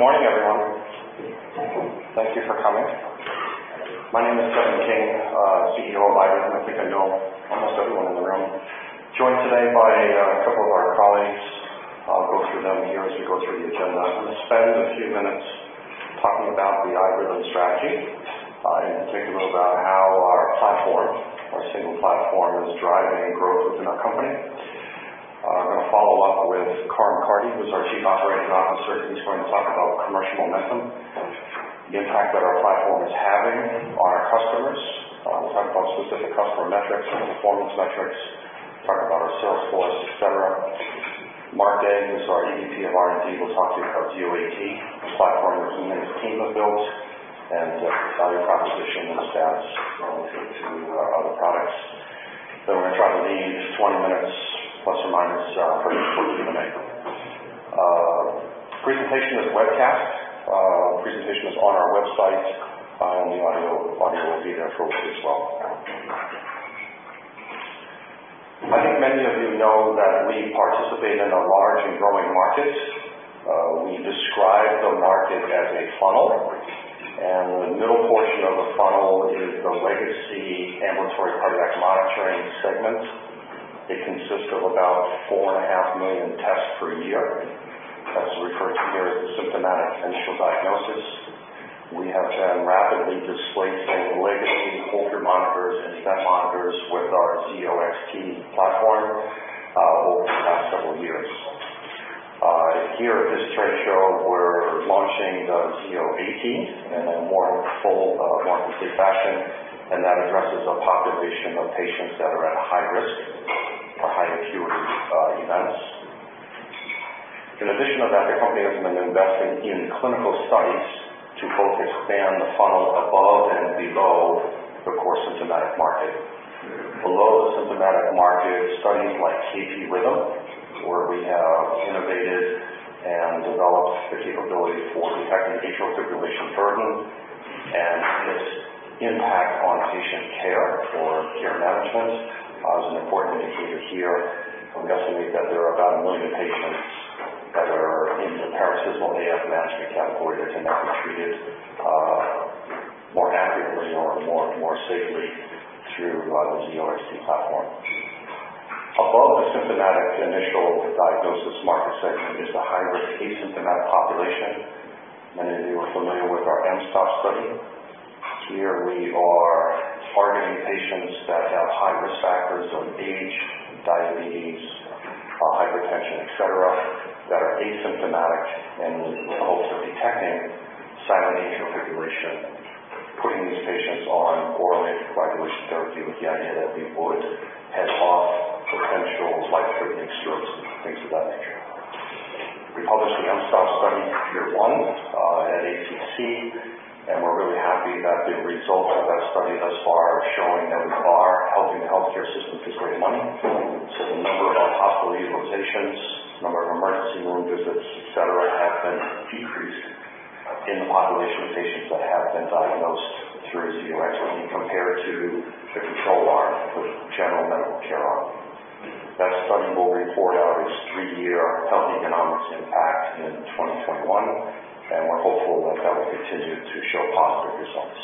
Good morning, everyone. Thank you for coming. My name is Kevin King, CEO of iRhythm. I think I know almost everyone in the room. I am joined today by a couple of our colleagues. I will go through them here as we go through the agenda. I am going to spend a few minutes talking about the iRhythm strategy and particularly about how our single platform is driving growth within our company. I am going to follow up with Karim Karti, who is our Chief Operating Officer, and she is going to talk about commercial momentum, the impact that our platform is having on our customers. We will talk about specific customer metrics and performance metrics, talk about our sales force, et cetera. Mark Day is our EVP of R&D. We will talk to you about Zio AT, the platform that he and his team have built, and the value proposition and the status relative to our other products. We are going to try to leave 20 minutes, plus or minus, for Q&A. The presentation is webcast. The presentation is on our website. The audio will be there appropriately as well. I think many of you know that we participate in a large and growing market. We describe the market as a funnel, and the middle portion of the funnel is the legacy ambulatory cardiac monitoring segment. It consists of about 4.5 million tests per year. That is referred to here as symptomatic initial diagnosis. We have been rapidly displacing legacy Holter monitors and event monitors with our Zio XT platform over the past several years. Here at this trade show, we are launching the Zio AT in a more full-marketed fashion, and that addresses a population of patients that are at high risk for high-acuity events. In addition to that, the company has been investing in clinical studies to both expand the funnel above and below the core symptomatic market. Below the symptomatic market studies like KP-RHYTHM, where we have innovated and developed the capability for detecting AF burden and its impact on patient care or care management. As an important indicator here, we estimate that there are about 1 million patients that are in the paroxysmal AF management category that can now be treated more accurately or more and more safely through the Zio XT platform. Above the symptomatic initial diagnosis market segment is the high-risk asymptomatic population. Many of you are familiar with our mSToPS study. Here we are targeting patients that have high risk factors of age, diabetes, hypertension, et cetera, that are asymptomatic and with the hopes of detecting silent atrial fibrillation, putting these patients on oral anticoagulation therapy with the idea that we would head off potential life-threatening strokes and things of that nature. We published the mSToPS study year one at ACC, and we are really happy that the results of that study thus far are showing that we are helping the healthcare system save money. The number of hospitalizations, number of emergency room visits, et cetera, have been decreased in the population of patients that have been diagnosed through Zio XT compared to the control arm with general medical care arm. That study will report out its three-year health economics impact in 2021, and we are hopeful that that will continue to show positive results.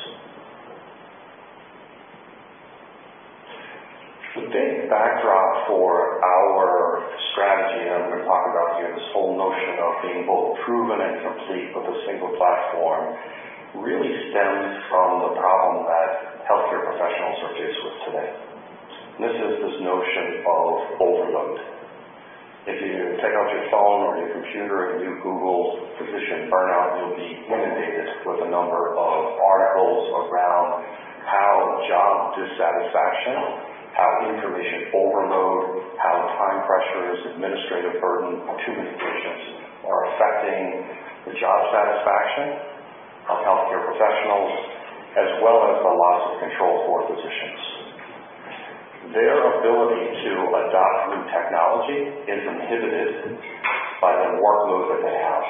The big backdrop for our strategy, I'm going to talk about here, this whole notion of being both proven and complete with a single platform really stems from the problem that healthcare professionals are faced with today. This is this notion of overload. If you take out your phone or your computer and you google physician burnout, you'll be inundated with a number of articles around how job dissatisfaction, how information overload, how time pressures, administrative burden, or too many patients are affecting the job satisfaction of healthcare professionals, as well as the loss of control for physicians. Their ability to adopt new technology is inhibited by the workload that they have.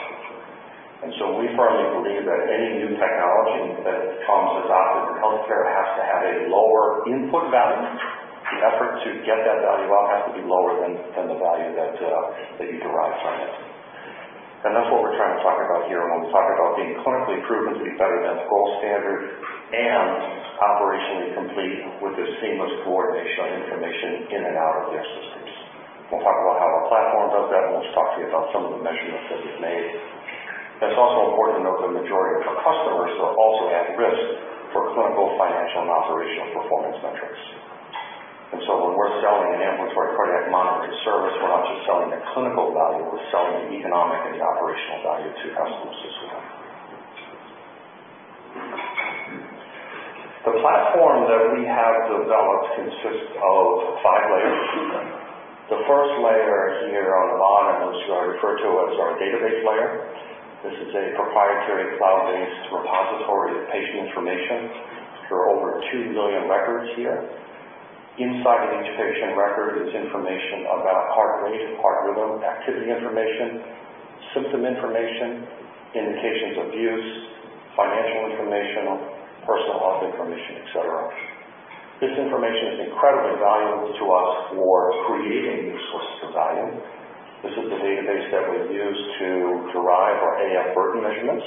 So we firmly believe that any new technology that comes adopted in healthcare has to have a lower input value. The effort to get that value out has to be lower than the value that you derive from it. That's what we're trying to talk about here when we talk about being clinically proven to be better than gold standard and operationally complete with the seamless coordination of information in and out of their systems. We'll talk about how our platform does that. We'll talk to you about some of the measurements that we've made. It's also important to note the majority of our customers are also at risk for clinical, financial, and operational performance metrics. So when we're selling an ambulatory cardiac monitoring service, we're not just selling the clinical value, we're selling the economic and the operational value to customers as well. The platform that we have developed consists of five layers. The first layer seen here on the bottom is referred to as our database layer. This is a proprietary cloud-based repository of patient information. There are over 2 million records here. Inside of each patient record is information about heart rate, heart rhythm, activity information, symptom information, indications of use, financial information, personal health information, et cetera. This information is incredibly valuable to us for creating new sources of value. This is the database that we use to derive our AF burden measurements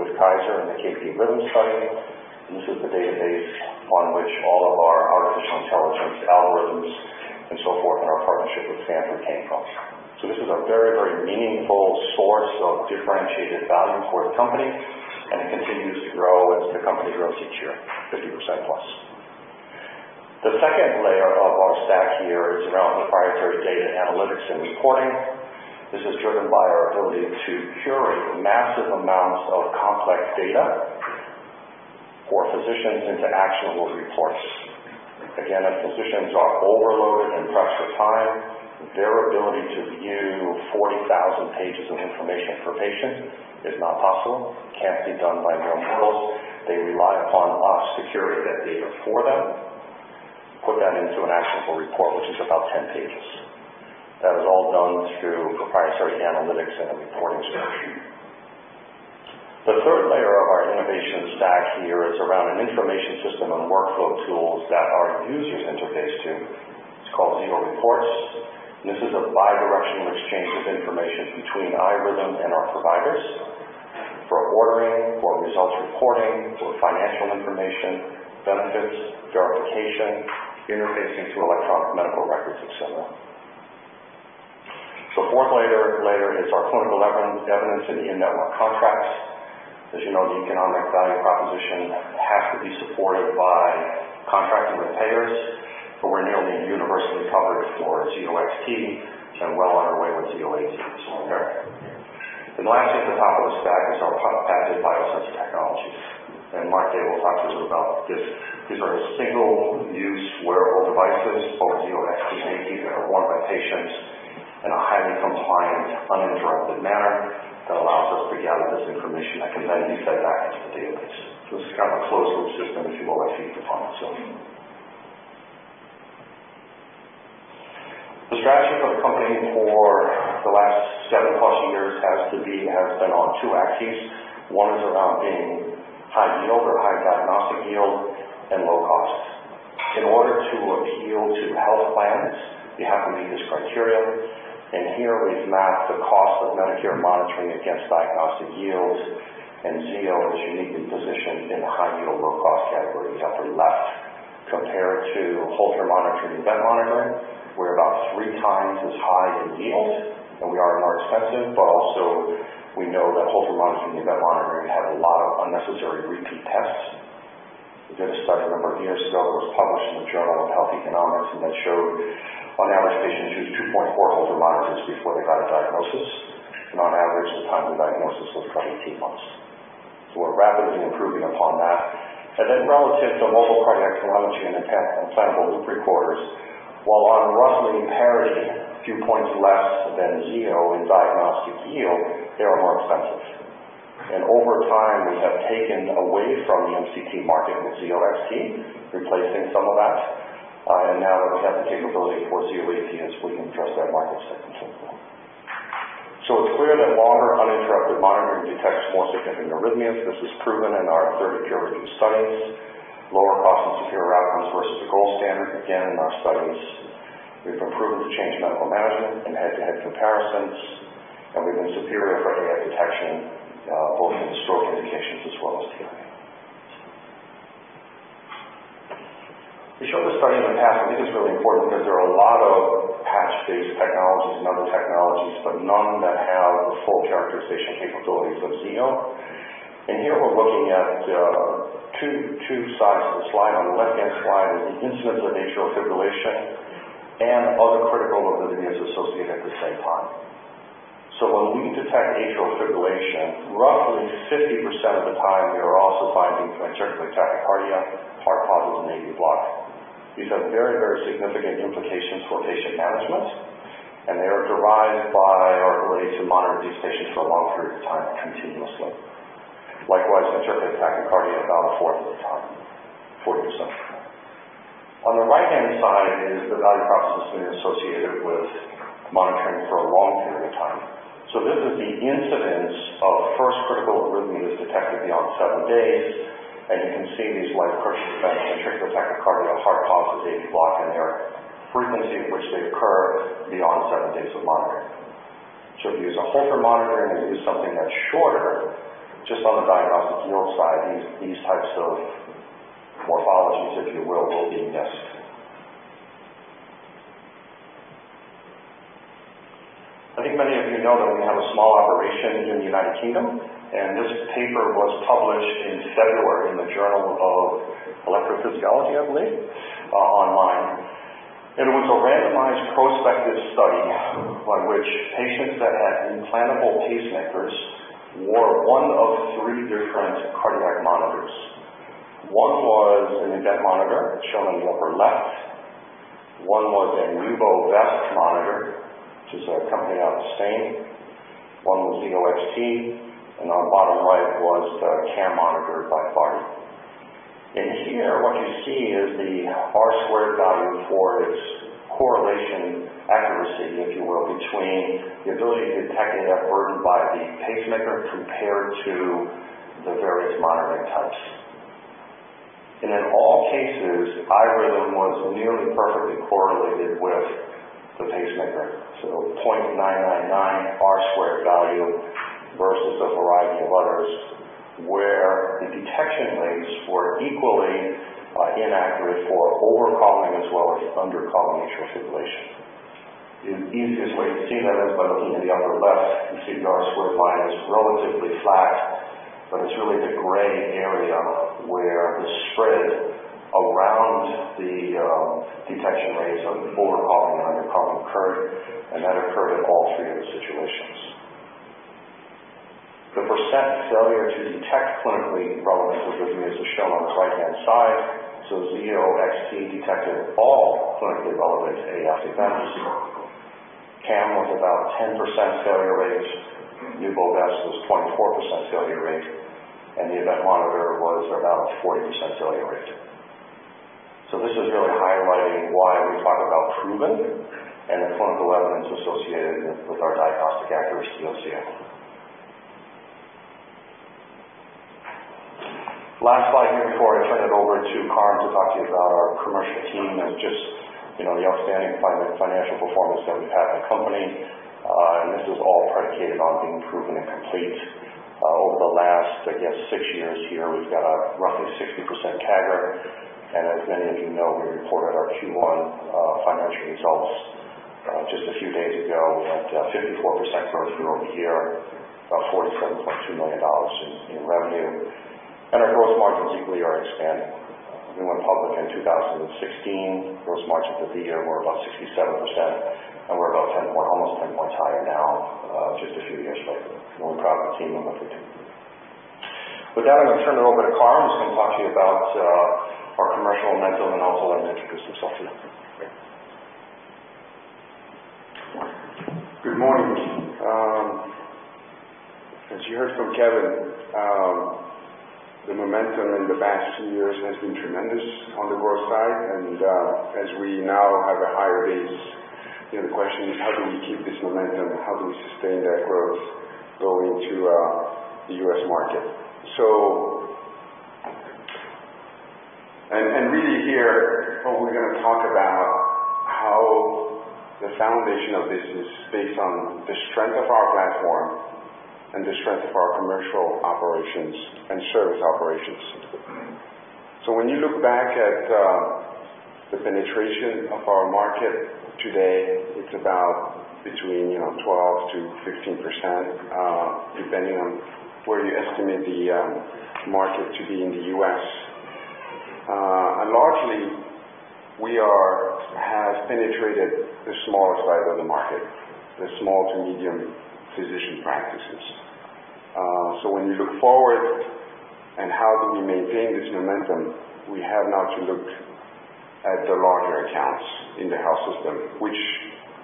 with Kaiser and the KP-RHYTHM study. This is the database on which all of our artificial intelligence algorithms and so forth in our partnership with Stanford came from. This is a very, very meaningful source of differentiated value for the company, and it continues to grow as the company grows each year, 50%+. The second layer of our stack here is around the proprietary data analytics and reporting. This is driven by our ability to curate massive amounts of complex data for physicians into actionable reports. Again, as physicians are overloaded and pressed for time, their ability to view 40,000 pages of information per patient is not possible. It can't be done by mere mortals. They rely upon us to curate that data for them, put that into an actionable report, which is about 10 pages. That is all done through proprietary analytics and a reporting solution. The third layer of our innovation stack here is around an information system and workflow tools that our users interface to. It's called Zio Reports. This is a bi-directional exchange of information between iRhythm and our providers for ordering, for results reporting, for financial information, benefits, verification, interfacing to electronic medical records, et cetera. The fourth layer is our clinical evidence and in-network contracts. As you know, the economic value proposition has to be supported by contracting with payers. We're nearly universally covered for Zio XT and well on our way with Zio AT on there. Lastly, at the top of the stack is our patented biosensor technology. Mark Day will talk to you about this. These are single-use wearable devices, both Zio XT and AT, that are worn by patients in a highly compliant, uninterrupted manner that allows us to gather this information that can then be fed back into the database. It's kind of a closed-loop system, if you will, I see at the pharmacy. The strategy for the company for the last seven-plus years has been on two axes. One is around being high yield or high diagnostic yield and low cost. In order to appeal to health plans, we have to meet this criteria. Here we've mapped the cost of Medicare monitoring against diagnostic yield, and Zio is uniquely positioned in the high yield, low cost category down to the left. Compared to Holter monitoring, event monitoring, we're about three times as high in yield, and we are more expensive. Also we know that Holter monitoring and event monitoring had a lot of unnecessary repeat tests. We did a study a number of years ago that was published in the Journal of Health Economics, and that showed on average patients used 2.4 Holter monitors before they got a diagnosis. On average, the time to diagnosis was 18 months. We're rapidly improving upon that. Relative to mobile cardiac telemetry and implantable loop recorders, while on roughly parity, a few points less than Zio in diagnostic yield, they are more expensive. Over time, we have taken away from the MCT market with Zio XT replacing some of that. Now that we have the capability for Zio AT as we can address that market segment as well. It's clear that longer uninterrupted monitoring detects more significant arrhythmias. This is proven in our 30 peer-reviewed studies. Lower cost and superior outcomes versus the gold standard, again, in our studies. We've improved the change in medical management in head-to-head comparisons, and we've been superior for AF detection both in historic indications as well as TIA. We showed this study in the past. I think it's really important because there are a lot of patch-based technologies and other technologies, but none that have the full characterization capabilities of Zio. Here we're looking at two sides of the slide. On the left-hand side is the incidence of atrial fibrillation and other critical arrhythmias associated at the same time. When we detect atrial fibrillation, roughly 50% of the time we are also finding ventricular tachycardia, heart pauses, and AV block. These have very, very significant implications for patient management, and they are derived by our ability to monitor these patients for a long period of time continuously. Likewise, ventricular tachycardia about a fourth of the time, 40% of the time. On the right-hand side is the value proposition associated with monitoring for a long period of time. This is the incidence of first critical arrhythmias detected beyond seven days, and you can see these life-threatening events, ventricular tachycardia, heart pauses, AV block, and their frequency at which they occur beyond seven days of monitoring. If you use a Holter monitor and you use something that's shorter, just on the diagnostic yield side, these types of morphologies, if you will be missed. I think many of you know that we have a small operation in the U.K., and this paper was published in February in the Journal of Electrophysiology, I believe, online. It was a randomized prospective study by which patients that had implantable pacemakers wore one of three different cardiac monitors. One was an event monitor shown in the upper left. One was a Nuubo Vest monitor, which is a company out of Spain. One was Zio XT. On the bottom right was the Care Monitor by Cardi. Here what you see is the R-squared value for its correlation accuracy, if you will, between the ability to detect AF burden by the pacemaker compared to the various monitoring types. In all cases, iRhythm was nearly perfectly correlated with the pacemaker. 0.999 R-squared value versus a variety of others where the detection rates were equally inaccurate for over-calling as well as under-calling atrial fibrillation. The easiest way to see that is by looking to the upper left. You see the R-squared line is relatively flat, but it's really the gray area where the spread around the detection rates of over-calling and under-calling occurred, and that occurred in all three of the situations. The % failure to detect clinically relevant was reviewed, as is shown on this right-hand side. Zio XT detected all clinically relevant AF events. CAM was about 10% failure rate. Nuubo Vest was 24% failure rate, and the Event Monitor was about 40% failure rate. This is really highlighting why we talk about proven and the clinical evidence associated with our diagnostic accuracy of Zio. Last slide here before I turn it over to Karim to talk to you about our commercial team and just the outstanding financial performance that we've had in the company. This is all predicated on being proven and complete. Over the last, I guess, six years here, we've got a roughly 60% CAGR. As many of you know, we reported our Q1 financial results just a few days ago. We had 54% growth year-over-year, about $47.2 million in revenue. Our growth margins equally are expanding. We went public in 2016. Growth margins that year were about 67%, and we're almost 10 points higher now just a few years later. I'm really proud of the team and what they do. With that, I'm going to turn it over to Karim who's going to talk to you about our commercial momentum, and also let him introduce himself to you. Karim. Good morning. As you heard from Kevin, the momentum in the past 2 years has been tremendous on the growth side. As we now have a higher base, the question is how do we keep this momentum? How do we sustain that growth going to the U.S. market? Really here, what we're going to talk about how the foundation of this is based on the strength of our platform and the strength of our commercial operations and service operations. When you look back at the penetration of our market today, it's about between 12%-15%, depending on where you estimate the market to be in the U.S. Largely, we have penetrated the smaller side of the market, the small to medium physician practices. When you look forward and how do we maintain this momentum, we have now to look at the larger accounts in the health system, which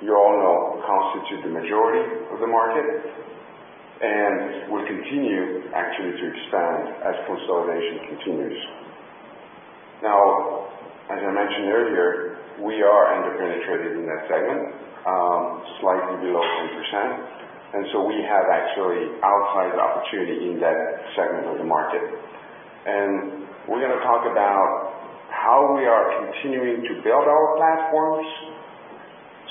you all know constitute the majority of the market and will continue actually to expand as consolidation continues. Now, as I mentioned earlier, we are under-penetrated in that segment, slightly below 10%. We have actually outsized opportunity in that segment of the market. We're going to talk about how we are continuing to build our platforms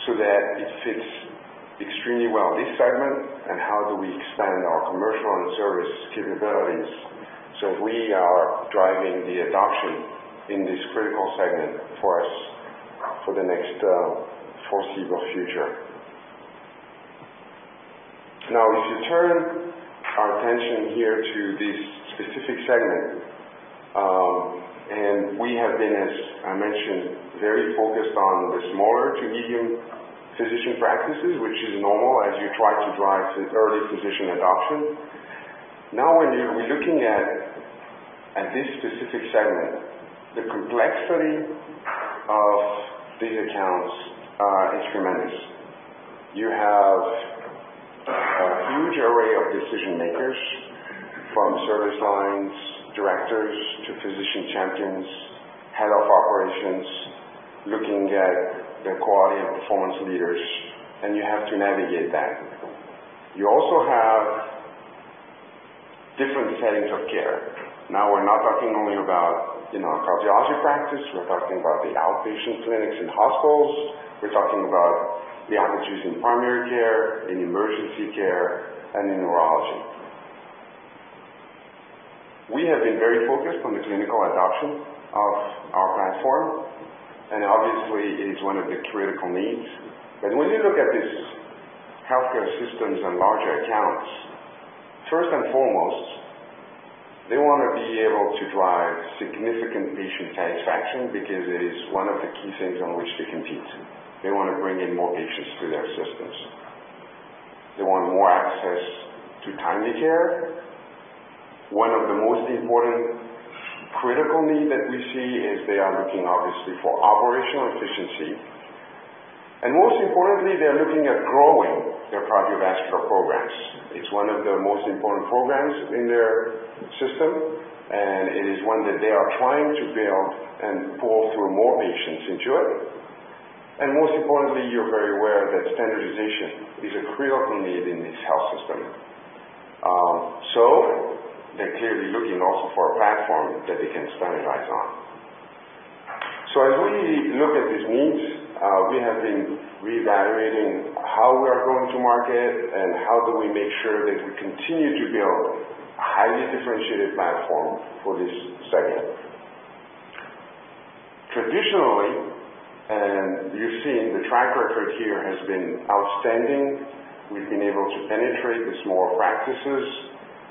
so that it fits extremely well in this segment and how do we expand our commercial and service capabilities so that we are driving the adoption in this critical segment for us for the next foreseeable future. Now, if you turn our attention here to this specific segment, we have been, as I mentioned, very focused on the smaller to medium physician practices, which is normal as you try to drive early physician adoption. Now, when we're looking at this specific segment, the complexity of these accounts is tremendous. You have a huge array of decision-makers from service lines, directors, to physician champions, head of operations, looking at their quality and performance leaders, and you have to navigate that. You also have different settings of care. Now, we're not talking only about a cardiology practice. We're talking about the outpatient clinics and hospitals. We're talking about the opportunities in primary care, in emergency care, and in neurology. We have been very focused on the clinical adoption of our platform, and obviously it's one of the critical needs. When you look at these healthcare systems and larger accounts, first and foremost, they want to be able to drive significant patient satisfaction because it is one of the key things on which they compete. They want to bring in more patients to their systems. They want more access to timely care. One of the most important critical need that we see is they are looking obviously for operational efficiency. Most importantly, they are looking at growing their cardiovascular programs. It's one of the most important programs in their system, and it is one that they are trying to build and pull through more patients into it. Most importantly, you're very aware that standardization is a critical need in this health system. They're clearly looking also for a platform that they can standardize on. As we look at these needs, we have been reevaluating how we are going to market and how do we make sure that we continue to build a highly differentiated platform for this segment. Traditionally, you've seen the track record here has been outstanding. We've been able to penetrate the small practices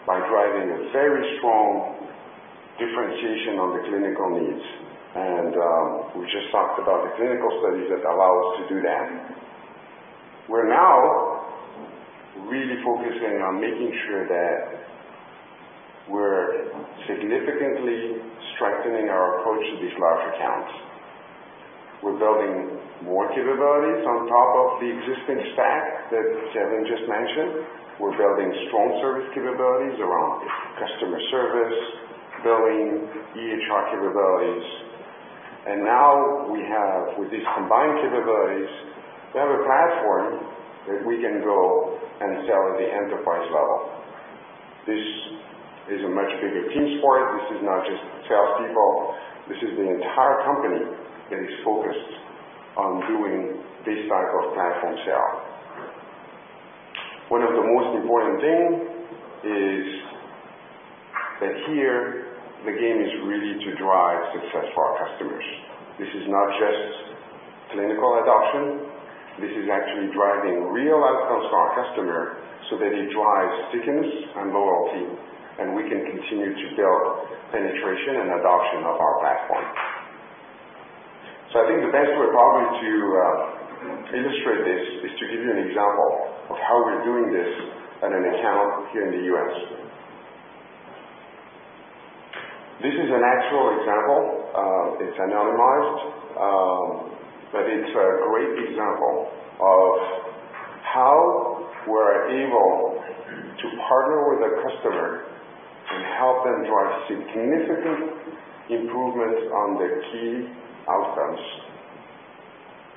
by driving a very strong differentiation on the clinical needs. We just talked about the clinical studies that allow us to do that. We're now really focusing on making sure that we're significantly strengthening our approach to these large accounts. We're building more capabilities on top of the existing stack that Kevin just mentioned. We're building strong service capabilities around customer service, billing, EHR capabilities. Now we have, with these combined capabilities, we have a platform that we can go and sell at the enterprise level. This is a much bigger team sport. This is not just sales people. This is the entire company that is focused on doing this type of platform sale. One of the most important things is that here the game is really to drive success for our customers. This is not just clinical adoption. This is actually driving real outcomes for our customer so that it drives stickiness and loyalty, and we can continue to build penetration and adoption of our platform. I think the best way probably to illustrate this is to give you an example of how we're doing this at an account here in the U.S. This is an actual example. It's anonymized, but it's a great example of how we're able to partner with a customer and help them drive significant improvements on their key outcomes,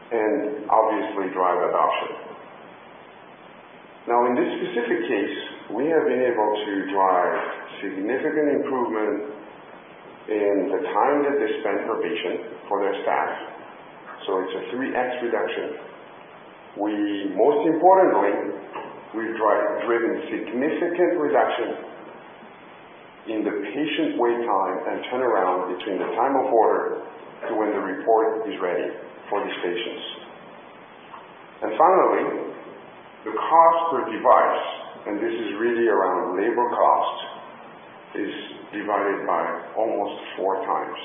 and obviously drive adoption. In this specific case, we have been able to drive significant improvement in the time that they spend per patient for their staff. It's a 3x reduction. Most importantly, we've driven significant reduction in the patient wait time and turnaround between the time of order to when the report is ready for these patients. Finally, the cost per device, and this is really around labor cost, is divided by almost 4 times.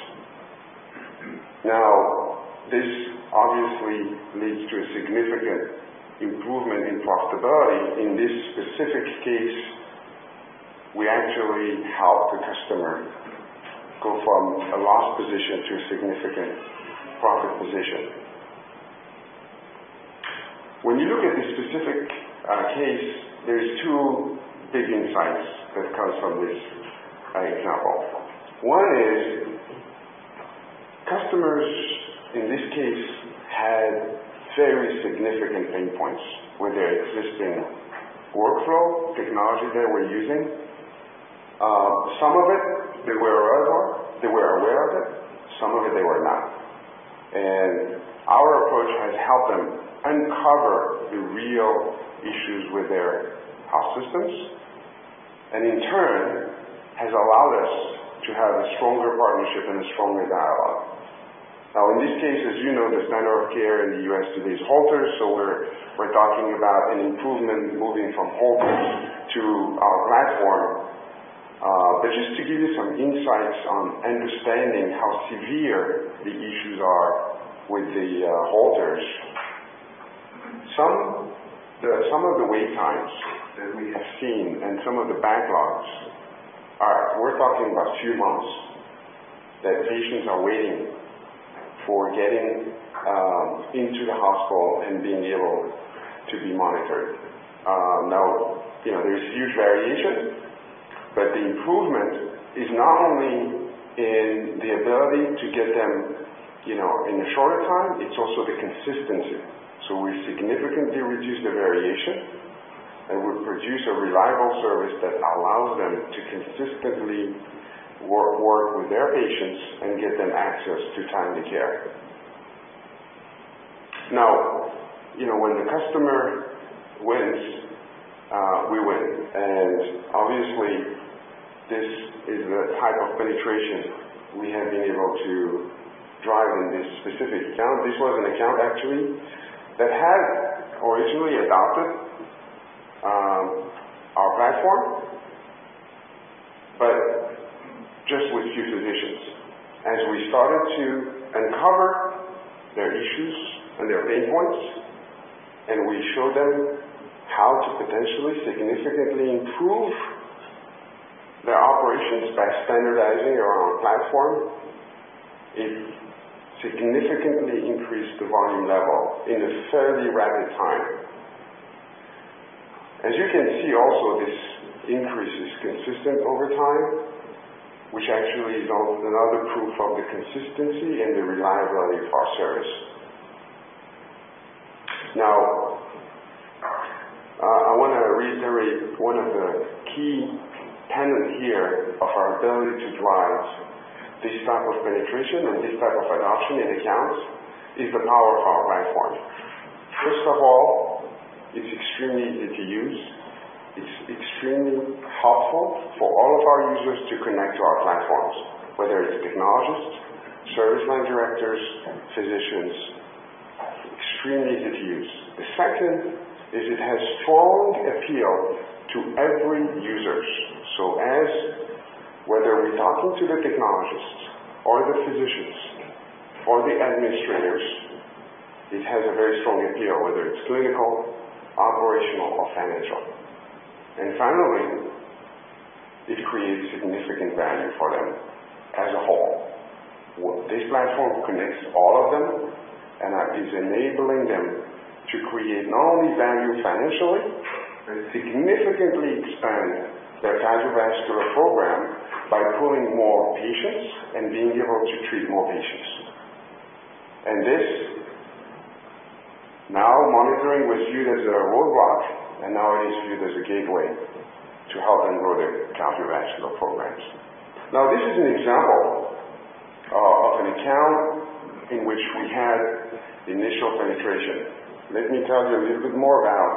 This obviously leads to a significant improvement in profitability. In this specific case, we actually helped the customer go from a loss position to a significant profit position. When you look at this specific case, there's 2 big insights that comes from this example. One is, customers in this case had very significant pain points with their existing workflow technology they were using. Some of it they were aware of it, some of it they were not. Our approach has helped them uncover the real issues with their health systems, and in turn has allowed us to have a stronger partnership and a stronger dialogue. In this case, as you know, the standard of care in the U.S. today is Holter. We're talking about an improvement moving from Holter to our platform. Just to give you some insights on understanding how severe the issues are with the Holters. Some of the wait times that we have seen and some of the backlogs are, we're talking about 2 months that patients are waiting for getting into the hospital and being able to be monitored. There's huge variation, but the improvement is not only in the ability to get them in a shorter time, it's also the consistency. We significantly reduce the variation and we produce a reliable service that allows them to consistently work with their patients and get them access to timely care. Now, when the customer wins, we win. Obviously this is the type of penetration we have been able to drive in this specific account. This was an account actually that had originally adopted our platform, but just with few physicians. As we started to uncover their issues and their pain points, and we show them how to potentially significantly improve their operations by standardizing around platform, it significantly increased the volume level in a fairly rapid time. As you can see also, this increase is consistent over time, which actually is another proof of the consistency and the reliability of our service. Now, I want to reiterate one of the key tenets here of our ability to drive this type of penetration and this type of adoption in accounts is the power of our platform. First of all, it's extremely easy to use. It's extremely powerful for all of our users to connect to our platforms, whether it's technologists, service line directors, and physicians. Extremely easy to use. The second is it has strong appeal to every user. Whether we're talking to the technologists or the physicians or the administrators, it has a very strong appeal, whether it's clinical, operational, or financial. Finally, it creates significant value for them as a whole. This platform connects all of them and is enabling them to create not only value financially, but significantly expand their cardiovascular program by pulling more patients and being able to treat more patients. This, now monitoring was viewed as a roadblock, and now it is viewed as a gateway to help them grow their cardiovascular programs. Now, this is an example of an account in which we had initial penetration. Let me tell you a little bit more about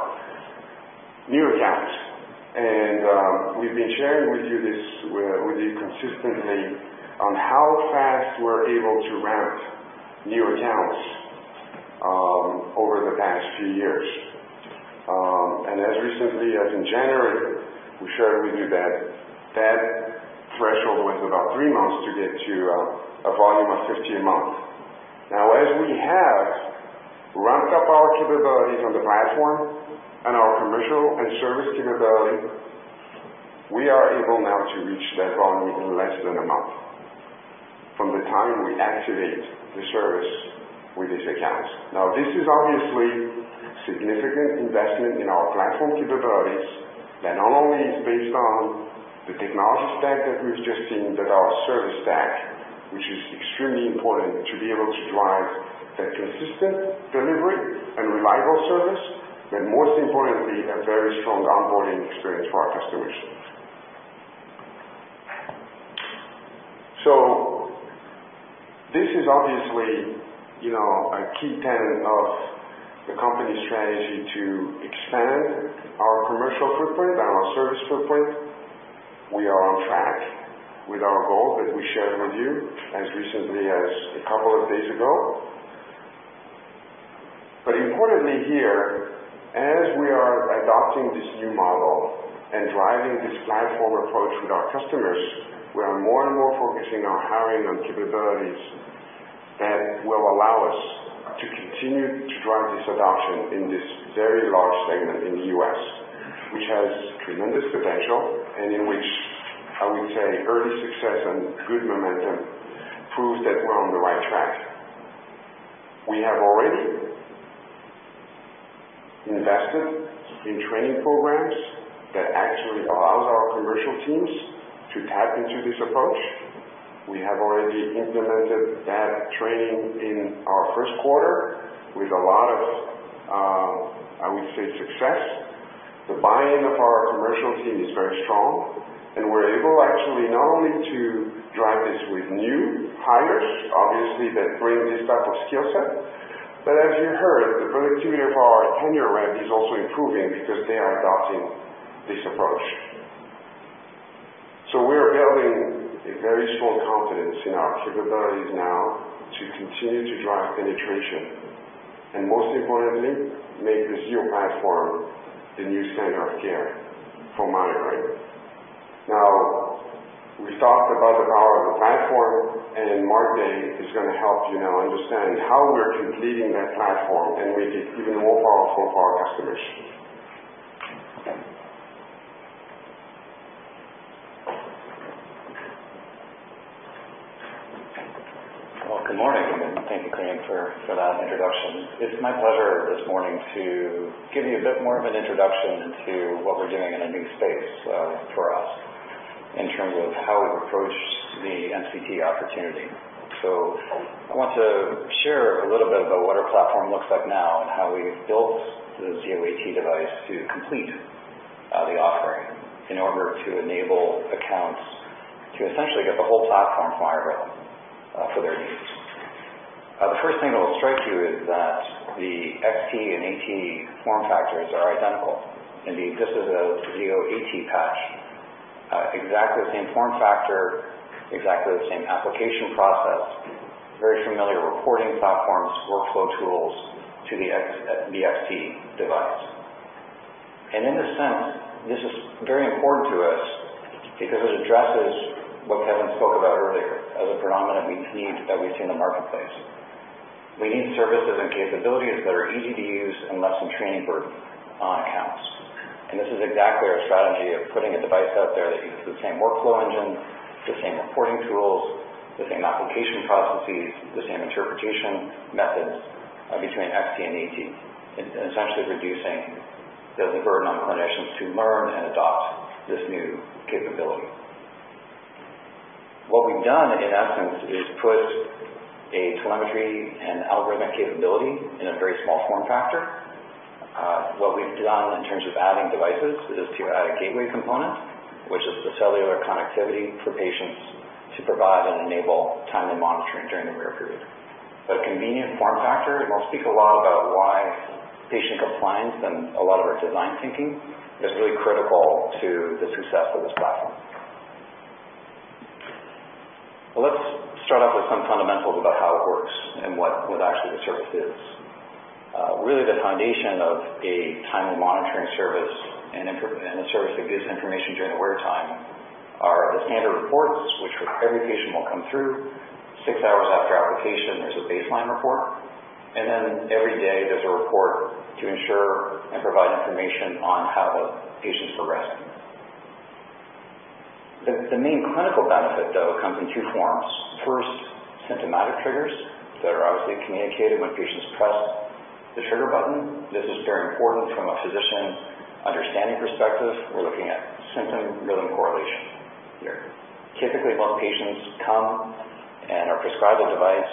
new accounts. We've been sharing with you consistently on how fast we're able to ramp new accounts over the past few years. As recently as in January, we shared with you that that threshold was about three months to get to a volume of 15 a month. Now, as we have ramped up our capabilities on the platform and our commercial and service capability, we are able now to reach that volume in less than a month from the time we activate the service with these accounts. Now, this is obviously significant investment in our platform capabilities that not only is based on the technology stack that we've just seen, but our service stack, which is extremely important to be able to drive that consistent delivery and reliable service, and most importantly, a very strong onboarding experience for our customers. This is obviously a key tenet of the company strategy to expand our commercial footprint and our service footprint. We are on track with our goal that we shared with you as recently as a couple of days ago. Importantly here, as we are adopting this new model and driving this platform approach with our customers, we are more and more focusing on hiring and capabilities that will allows us to continue to drive this adoption in this very large segment in the U.S., which has tremendous potential and in which I would say early success and good momentum proves that we're on the right track. We have already invested in training programs that actually allows our commercial teams to tap into this approach. We have already implemented that training in our first quarter with a lot of, I would say, success. The buy-in of our commercial team is very strong, we're able actually not only to drive this with new hires, obviously, that bring this type of skill set, but as you heard, the productivity of our tenure rep is also improving because they are adopting this approach. We are building a very strong confidence in our capabilities now to continue to drive penetration and most importantly, make the Zio platform the new standard of care for monitoring. We talked about the power of the platform, and Mark Day is going to help you now understand how we're completing that platform and make it even more powerful for our customers. Good morning, and thank you, Kevin, for that introduction. It's my pleasure this morning to give you a bit more of an introduction to what we're doing in a new space for us in terms of how we approach the MCT opportunity. I want to share a little bit about what our platform looks like now and how we've built the Zio AT device to complete the offering in order to enable accounts to essentially get the whole platform for all for their needs. The first thing that will strike you is that the XT and AT form factors are identical, and the existence of the Zio AT patch, exactly the same form factor, exactly the same application process, very familiar reporting platforms, workflow tools to the XT device. In a sense, this is very important to us because it addresses what Kevin spoke about earlier as a predominant need that we see in the marketplace. We need services and capabilities that are easy to use and lessen training burden on accounts. This is exactly our strategy of putting a device out there that uses the same workflow engine, the same reporting tools, the same application processes, the same interpretation methods between XT and AT, and essentially reducing the burden on clinicians to learn and adopt this new capability. What we've done, in essence, is put a telemetry and algorithmic capability in a very small form factor. What we've done in terms of adding devices is to add a gateway component, which is the cellular connectivity for patients to provide and enable timely monitoring during the wear period. A convenient form factor. We'll speak a lot about why patient compliance and a lot of our design thinking is really critical to the success of this platform. Let's start off with some fundamentals about how it works and what actually the service is. Really the foundation of a timely monitoring service and a service that gives information during the wear time are the standard reports, which every patient will come through. Six hours after application, there's a baseline report. Then every day there's a report to ensure and provide information on how the patient's progressing. The main clinical benefit, though, comes in two forms. First, symptomatic triggers that are obviously communicated when patients press the trigger button. This is very important from a physician understanding perspective. We're looking at symptom-rhythm correlation here. Typically, most patients come and are prescribed the device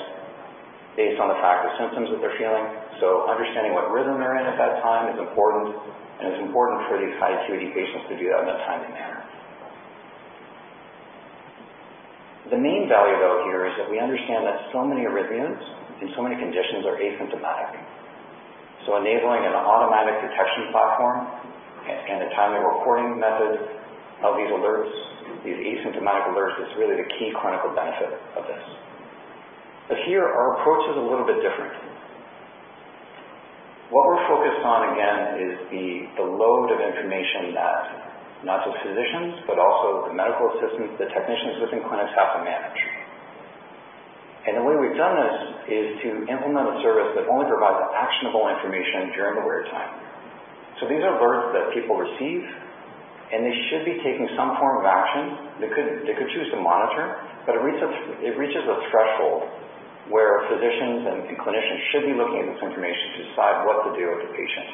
based on the fact of symptoms that they're feeling. Understanding what rhythm they're in at that time is important, and it's important for these high acuity patients to do that in a timely manner. The main value, though, here is that we understand that so many arrhythmias and so many conditions are asymptomatic. Enabling an automatic detection platform and a timely reporting method of these alerts, these asymptomatic alerts, is really the key clinical benefit of this. Here our approach is a little bit different. What we're focused on, again, is the load of information that not just physicians, but also the medical assistants, the technicians within clinics have to manage. The way we've done this is to implement a service that only provides actionable information during the wear time. These are alerts that people receive, and they should be taking some form of action. They could choose to monitor, but it reaches a threshold where physicians and clinicians should be looking at this information to decide what to do with the patient.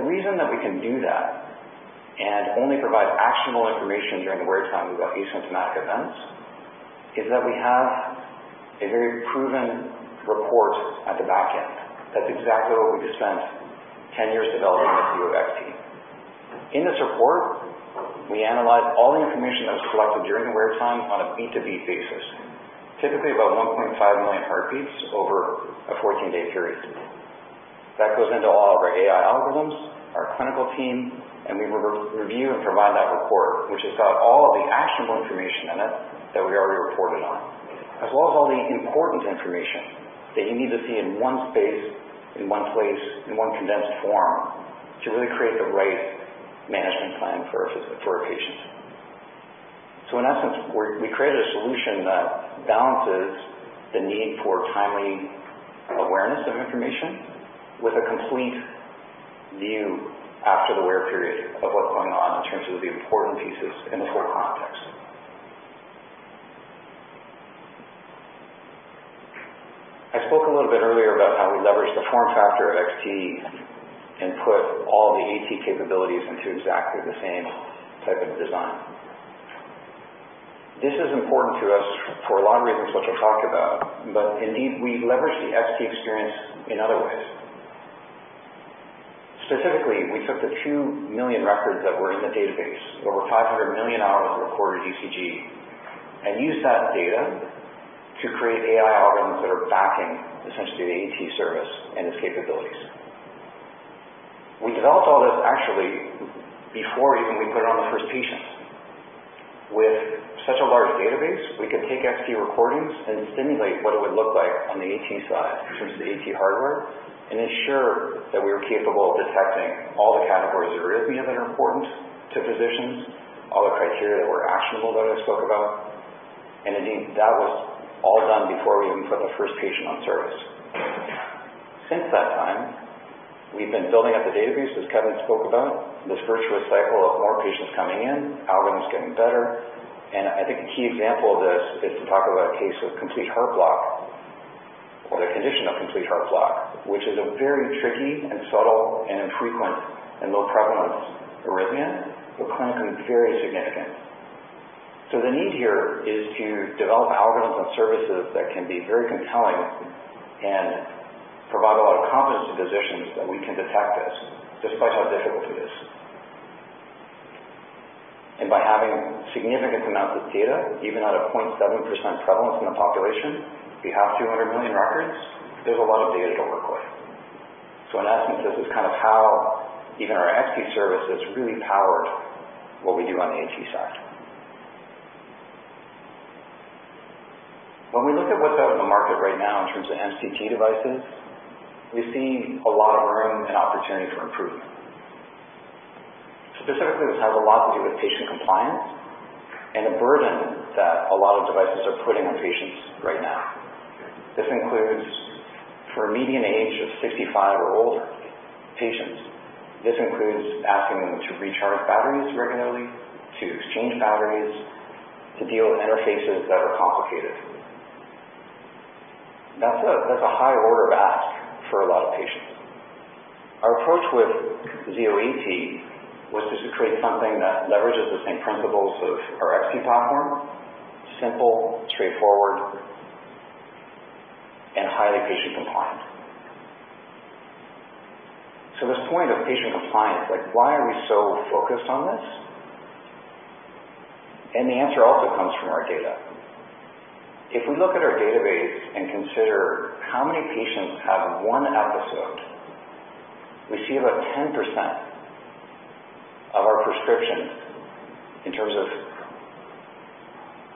The reason that we can do that and only provide actionable information during the wear time about asymptomatic events is that we have a very proven report at the back end. That's exactly what we spent 10 years developing at Zio XT. In this report, we analyze all the information that was collected during the wear time on a beat-to-beat basis, typically about 1.5 million heartbeats over a 14-day period. That goes into all of our AI algorithms, our clinical team. We review and provide that report, which has got all of the actionable information in it that we already reported on. As well as all the important information that you need to see in one space, in one place, in one condensed form to really create the right management plan for our patients. In essence, we created a solution that balances the need for timely awareness of information with a complete view after the wear period of what's going on in terms of the important pieces in the full context. I spoke a little bit earlier about how we leverage the form factor of XT and put all the AT capabilities into exactly the same type of design. This is important to us for a lot of reasons, which I'll talk about, but indeed, we leverage the XT experience in other ways. Specifically, we took the 2 million records that were in the database, over 500 million hours of recorded ECG, and used that data to create AI algorithms that are backing essentially the AT service and its capabilities. We developed all this actually before even we put it on the first patient. With such a large database, we could take XT recordings and simulate what it would look like on the AT side in terms of the AT hardware and ensure that we were capable of detecting all the categories of arrhythmia that are important to physicians, all the criteria that were actionable that I spoke about. Indeed, that was all done before we even put the first patient on service. Since that time, we've been building up the database, as Kevin spoke about. This virtuous cycle of more patients coming in, algorithms getting better, I think a key example of this is to talk about a case of complete heart block or the condition of complete heart block, which is a very tricky and subtle and infrequent and low prevalence arrhythmia, but clinically very significant. The need here is to develop algorithms and services that can be very compelling and provide a lot of confidence to physicians that we can detect this despite how difficult it is. By having significant amounts of data, even at a 0.7% prevalence in the population, we have 200 million records. There's a lot of data to work with. In essence, this is how even our XT service has really powered what we do on the AT side. When we look at what's out in the market right now in terms of MCT devices, we see a lot of room and opportunity for improvement. Specifically, this has a lot to do with patient compliance and the burden that a lot of devices are putting on patients right now. This includes for a median age of 65 or older patients. This includes asking them to recharge batteries regularly, to exchange batteries, to deal with interfaces that are complicated. That's a high order of ask for a lot of patients. Our approach with Zio AT was just to create something that leverages the same principles of our Zio XT platform, simple, straightforward, and highly patient compliant. This point of patient compliance, why are we so focused on this? The answer also comes from our data. If we look at our database and consider how many patients have one episode, we see about 10% of our prescriptions in terms of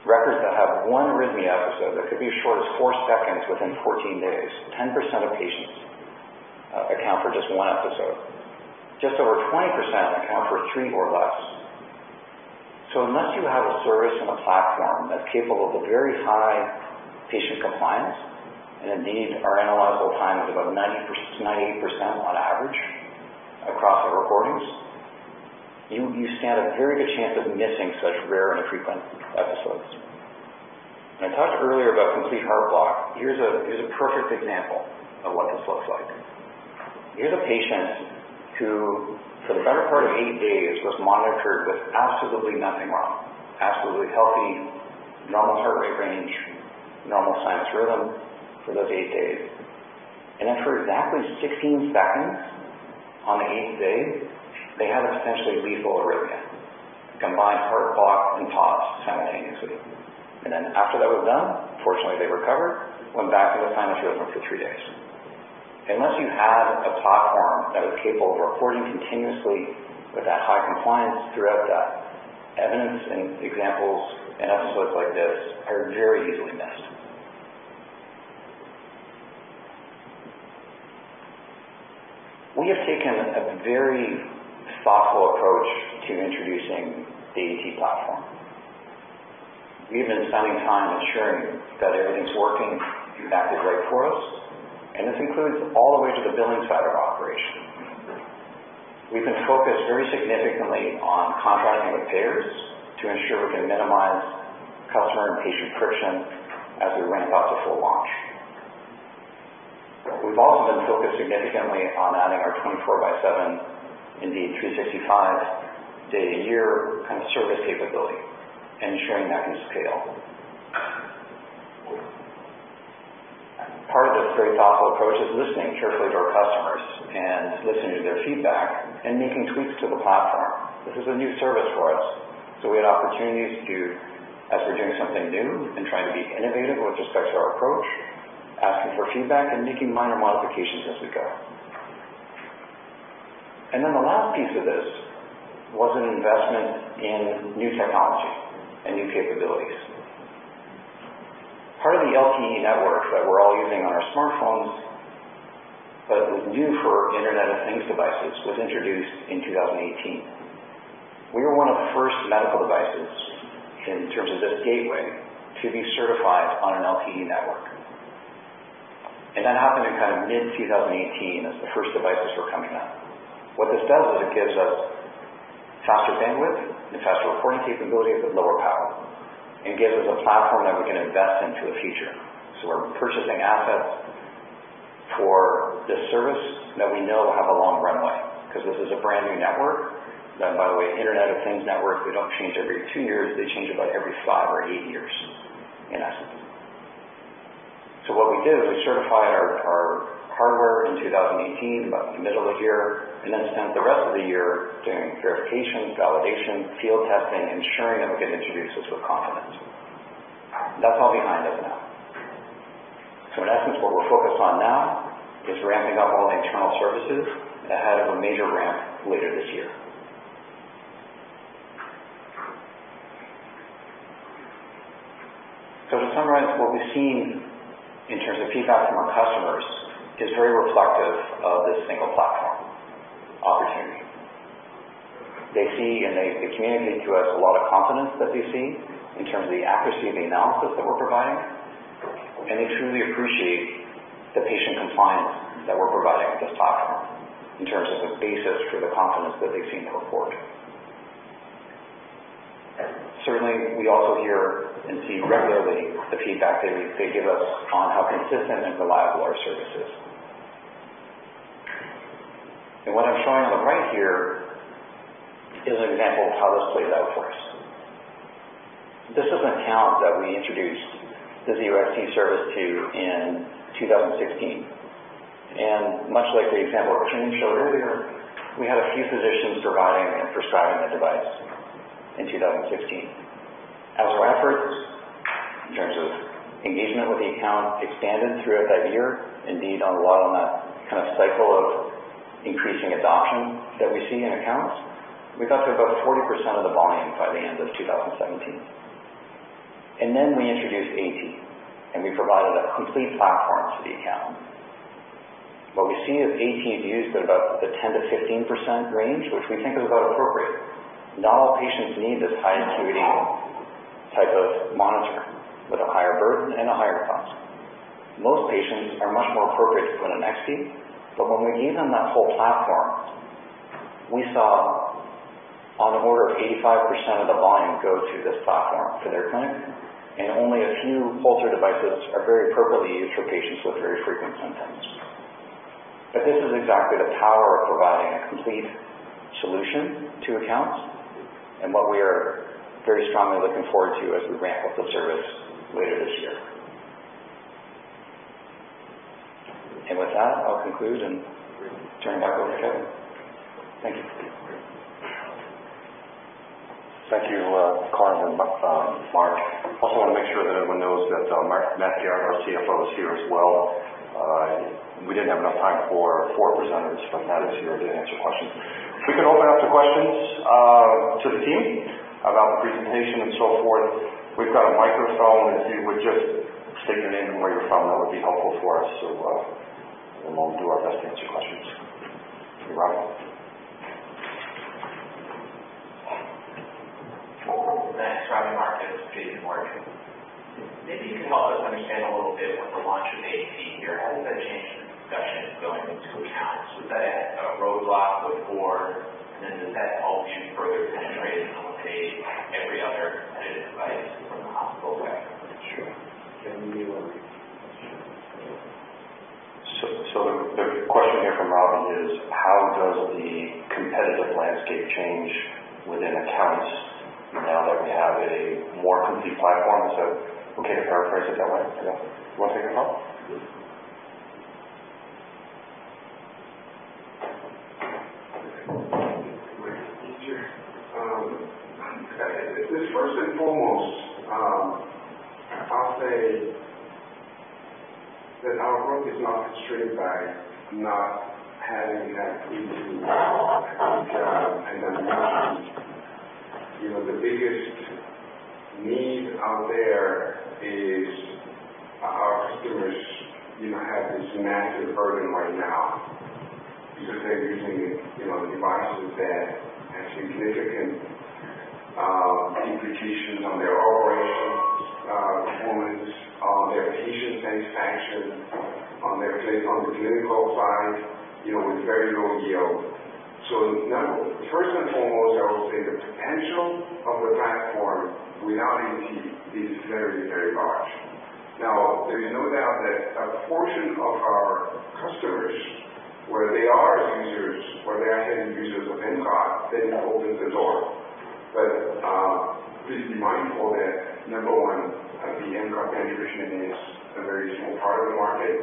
records that have one arrhythmia episode that could be as short as four seconds within 14 days. 10% of patients account for just one episode. Just over 20% account for three or less. Unless you have a service and a platform that's capable of very high patient compliance, and indeed our analyzable time is about 90%-98% on average across our recordings. You stand a very good chance of missing such rare and infrequent episodes. I talked earlier about complete heart block. Here's a perfect example of what this looks like. Here's a patient who, for the better part of eight days, was monitored with absolutely nothing wrong. Absolutely healthy, normal heart rate range, normal sinus rhythm for those eight days. For exactly 16 seconds on the eighth day, they had a potentially lethal arrhythmia. A combined heart block and pause simultaneously. After that was done, fortunately, they recovered, went back to the sinus rhythm for three days. Unless you have a platform that was capable of recording continuously with that high compliance throughout that, evidence and examples and episodes like this are very easily missed. We have taken a very thoughtful approach to introducing the AT platform. We have been spending time ensuring that everything's working and acted right for us, and this includes all the way to the billing side of operations. We've been focused very significantly on contracting with payers to ensure we can minimize customer and patient friction as we ramp up to full launch. We've also been focused significantly on adding our 24/7, indeed 365-day a year service capability, ensuring that can scale. Part of this very thoughtful approach is listening carefully to our customers and listening to their feedback and making tweaks to the platform. This is a new service for us. We had opportunities to do as we're doing something new and trying to be innovative with respect to our approach, asking for feedback and making minor modifications as we go. The last piece of this was an investment in new technology and new capabilities. Part of the LTE network that we're all using on our smartphones, but was new for Internet of Things devices, was introduced in 2018. We were one of the first medical devices in terms of this gateway to be certified on an LTE network. That happened in mid-2018 as the first devices were coming out. What this does is it gives us faster bandwidth and faster recording capability with lower power and gives us a platform that we can invest into a future. We're purchasing assets for this service that we know have a long runway because this is a brand-new network that, by the way, Internet of Things networks, they don't change every two years. They change about every five or eight years in essence. What we did is we certified our hardware in 2018, about the middle of the year, spent the rest of the year doing verification, validation, field testing, ensuring that we could introduce this with confidence. That's all behind us now. In essence, what we're focused on now is ramping up all the internal services ahead of a major ramp later this year. To summarize, what we've seen in terms of feedback from our customers is very reflective of this single platform opportunity. They see and they communicate to us a lot of confidence that they see in terms of the accuracy of the analysis that we're providing, and they truly appreciate the patient compliance that we're providing with this platform in terms of the basis for the confidence that they've seen the report. Certainly, we also hear and see regularly the feedback they give us on how consistent and reliable our service is. What I'm showing on the right here is an example of how this plays out for us. This is an account that we introduced the Zio AT service to in 2016. Much like the example Kevin showed earlier, we had a few physicians providing and prescribing the device in 2016. As our efforts in terms of engagement with the account expanded throughout that year, indeed on a lot on that cycle of increasing adoption that we see in accounts, we got to about 40% of the volume by the end of 2017. We introduced 18, and we provided a complete platform to the account. What we see is 18 is used at about the 10%-15% range, which we think is about appropriate. Not all patients need this high acuity type of monitor with a higher burden and a higher cost. Most patients are much more appropriate for an Zio XT, but when we gave them that whole platform, we saw on the order of 85% of the volume go to this platform for their clinic, and only a few pulsar devices are very appropriately used for patients with very frequent symptoms. This is exactly the power of providing a complete solution to accounts and what we are very strongly looking forward to as we ramp up the service later this year. With that, I'll conclude and turn it back over to Kevin. Thank you. Thank you, Karim and Mark. Also want to make sure that everyone knows that Matthew Garrett, our Chief Financial Officer, is here as well. We didn't have enough time for four presenters, but Matt is here to answer questions. If we could open up to questions to the team about the presentation and so forth. We've got a microphone. If you would just state your name and where you're from, that would be helpful for us. We'll do our best to answer questions. Robin. [Global Bank Driving Markets], Jason Morgan. Maybe you can help us understand a little bit with the launch of Zio AT here, how does that change the discussion going into accounts? Was that a roadblock before, does that help you further penetrate and overtake every other competitive device from a hospital-wide? Sure. Can you repeat the question? The question here from Robin is how does the competitive landscape change within accounts now that we have a more complete platform? Is that okay to paraphrase it that way? Yeah. You want to take a crack? Sure. Please. First and foremost, I'll say that our growth is not constrained by not having that ET. The biggest need out there is our customers have this massive burden right now because they're using devices that have significant implications on their operations performance, on their patient satisfaction, on the clinical side with very low yield. First and foremost, I would say the potential of the platform without ET is very, very large. Now, there's no doubt that a portion of our customers where they are users, where they are hidden users of MCT, that opens the door. Please be mindful that number 1, the MCT penetration is a very small part of the market,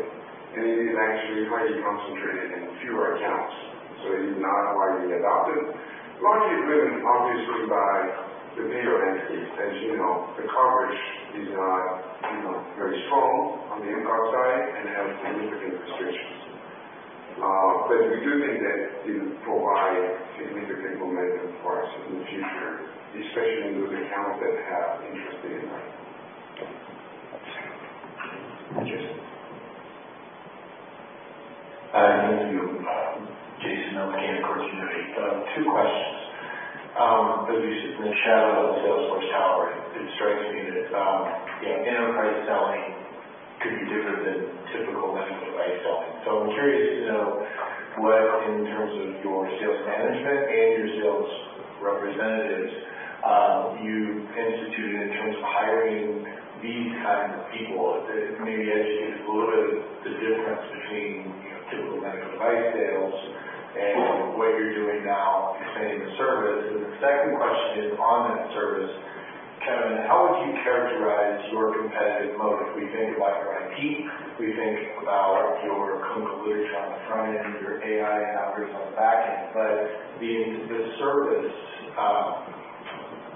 and it is actually highly concentrated in fewer accounts. It is not widely adopted. The market is driven obviously by the bigger entities. As you know, the coverage is not very strong on the MCT side and has significant restrictions. We do think that it will provide significant momentum for us in the future, especially in those accounts that have interest in that. Jason. Hi, how are you? [Jason L. McCain] Cordis Innovative. Two questions. As you sit in the shadow of the Salesforce Tower, it strikes me that enterprise selling could be different than typical medical device selling. I'm curious to know what, in terms of your sales management and your sales representatives, you instituted in terms of hiring these kinds of people. Maybe educate us a little bit the difference between typical medical device sales. Sure what you're doing now extending the service. The second question is on that service, Kevin, how would you characterize your competitive moat? We think about your IT, we think about your conclusion on the front end, your AI and algorithms on the back end.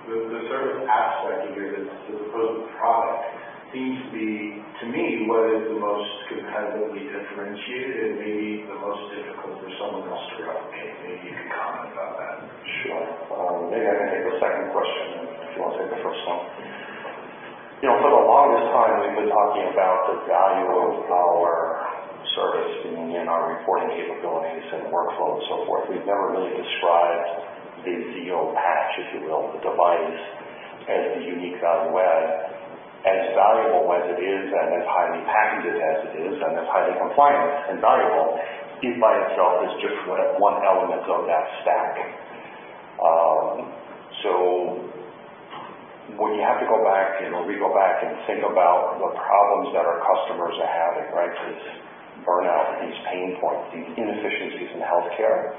The service aspect here, the proposed product seems to be, to me, what is the most competitively differentiated and maybe the most difficult for someone else to replicate. Maybe you could comment about that. Sure. Maybe I can take the second question and if you want to take the first one. For the longest time, we've been talking about the value of our service in our reporting capabilities and workflow and so forth. We've never really described the Zio patch, if you will, the device, as the unique value add. As valuable as it is and as highly packaged as it is and as highly compliant and valuable, it by itself is just one element of that stack. When you have to go back and when we go back and think about the problems that our customers are having, this burnout, these pain points, these inefficiencies in healthcare.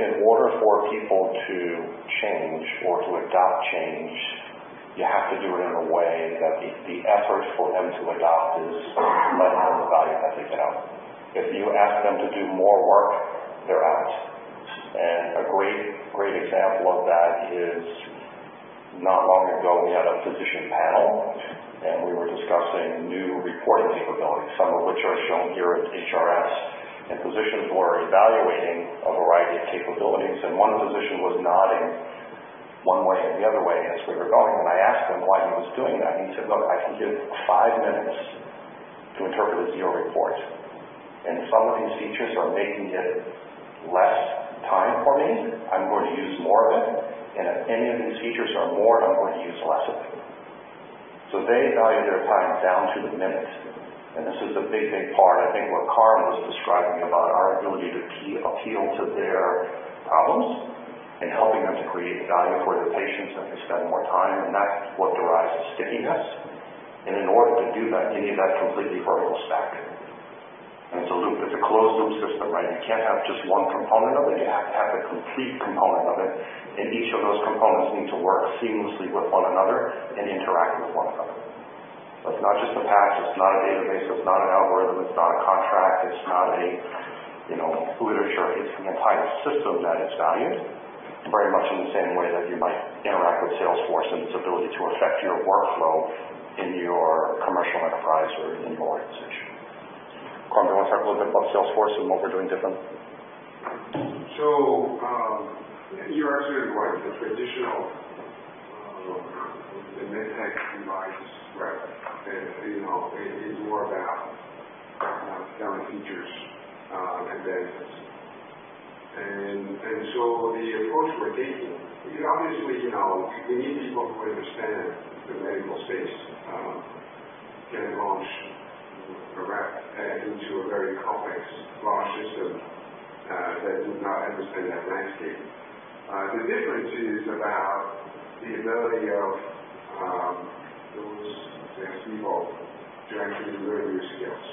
In order for people to change or to adopt change, you have to do it in a way that the effort for them to adopt is less than the value that they get out. If you ask them to do more work, they're out. A great example of that is not long ago, we had a physician panel to We were discussing new reporting capabilities, some of which are shown here at HRS. Physicians were evaluating a variety of capabilities. One physician was nodding one way and the other way as we were going. I asked him why he was doing that, and he said, "Look, I can give five minutes to interpret a Zio report. If some of these features are making it less time for me, I'm going to use more of it. If any of these features are more, I'm going to use less of it." They value their time down to the minute. This is the big part, I think, what Karim was describing about our ability to appeal to their problems and helping them to create value for their patients, and to spend more time. That's what derives the stickiness. In order to do that, you need that completely vertical stack. It's a closed-loop system. You can't have just one component of it, you have to have the complete component of it, and each of those components need to work seamlessly with one another and interact with one another. It's not just a patch, it's not a database, it's not an algorithm, it's not a contract, it's not a literature. It's an entire system that is valued very much in the same way that you might interact with Salesforce and its ability to affect your workflow in your commercial enterprise or in your organization. Karim, you want to talk a little bit about Salesforce and what we're doing different? You're absolutely right. The traditional med tech devices. Right is more about counting features and benefits. The approach we're taking, obviously, we need people who understand the medical space, can launch a rep into a very complex, large system that does not understand that landscape. The difference is about the ability of those sales people to actually learn new skills,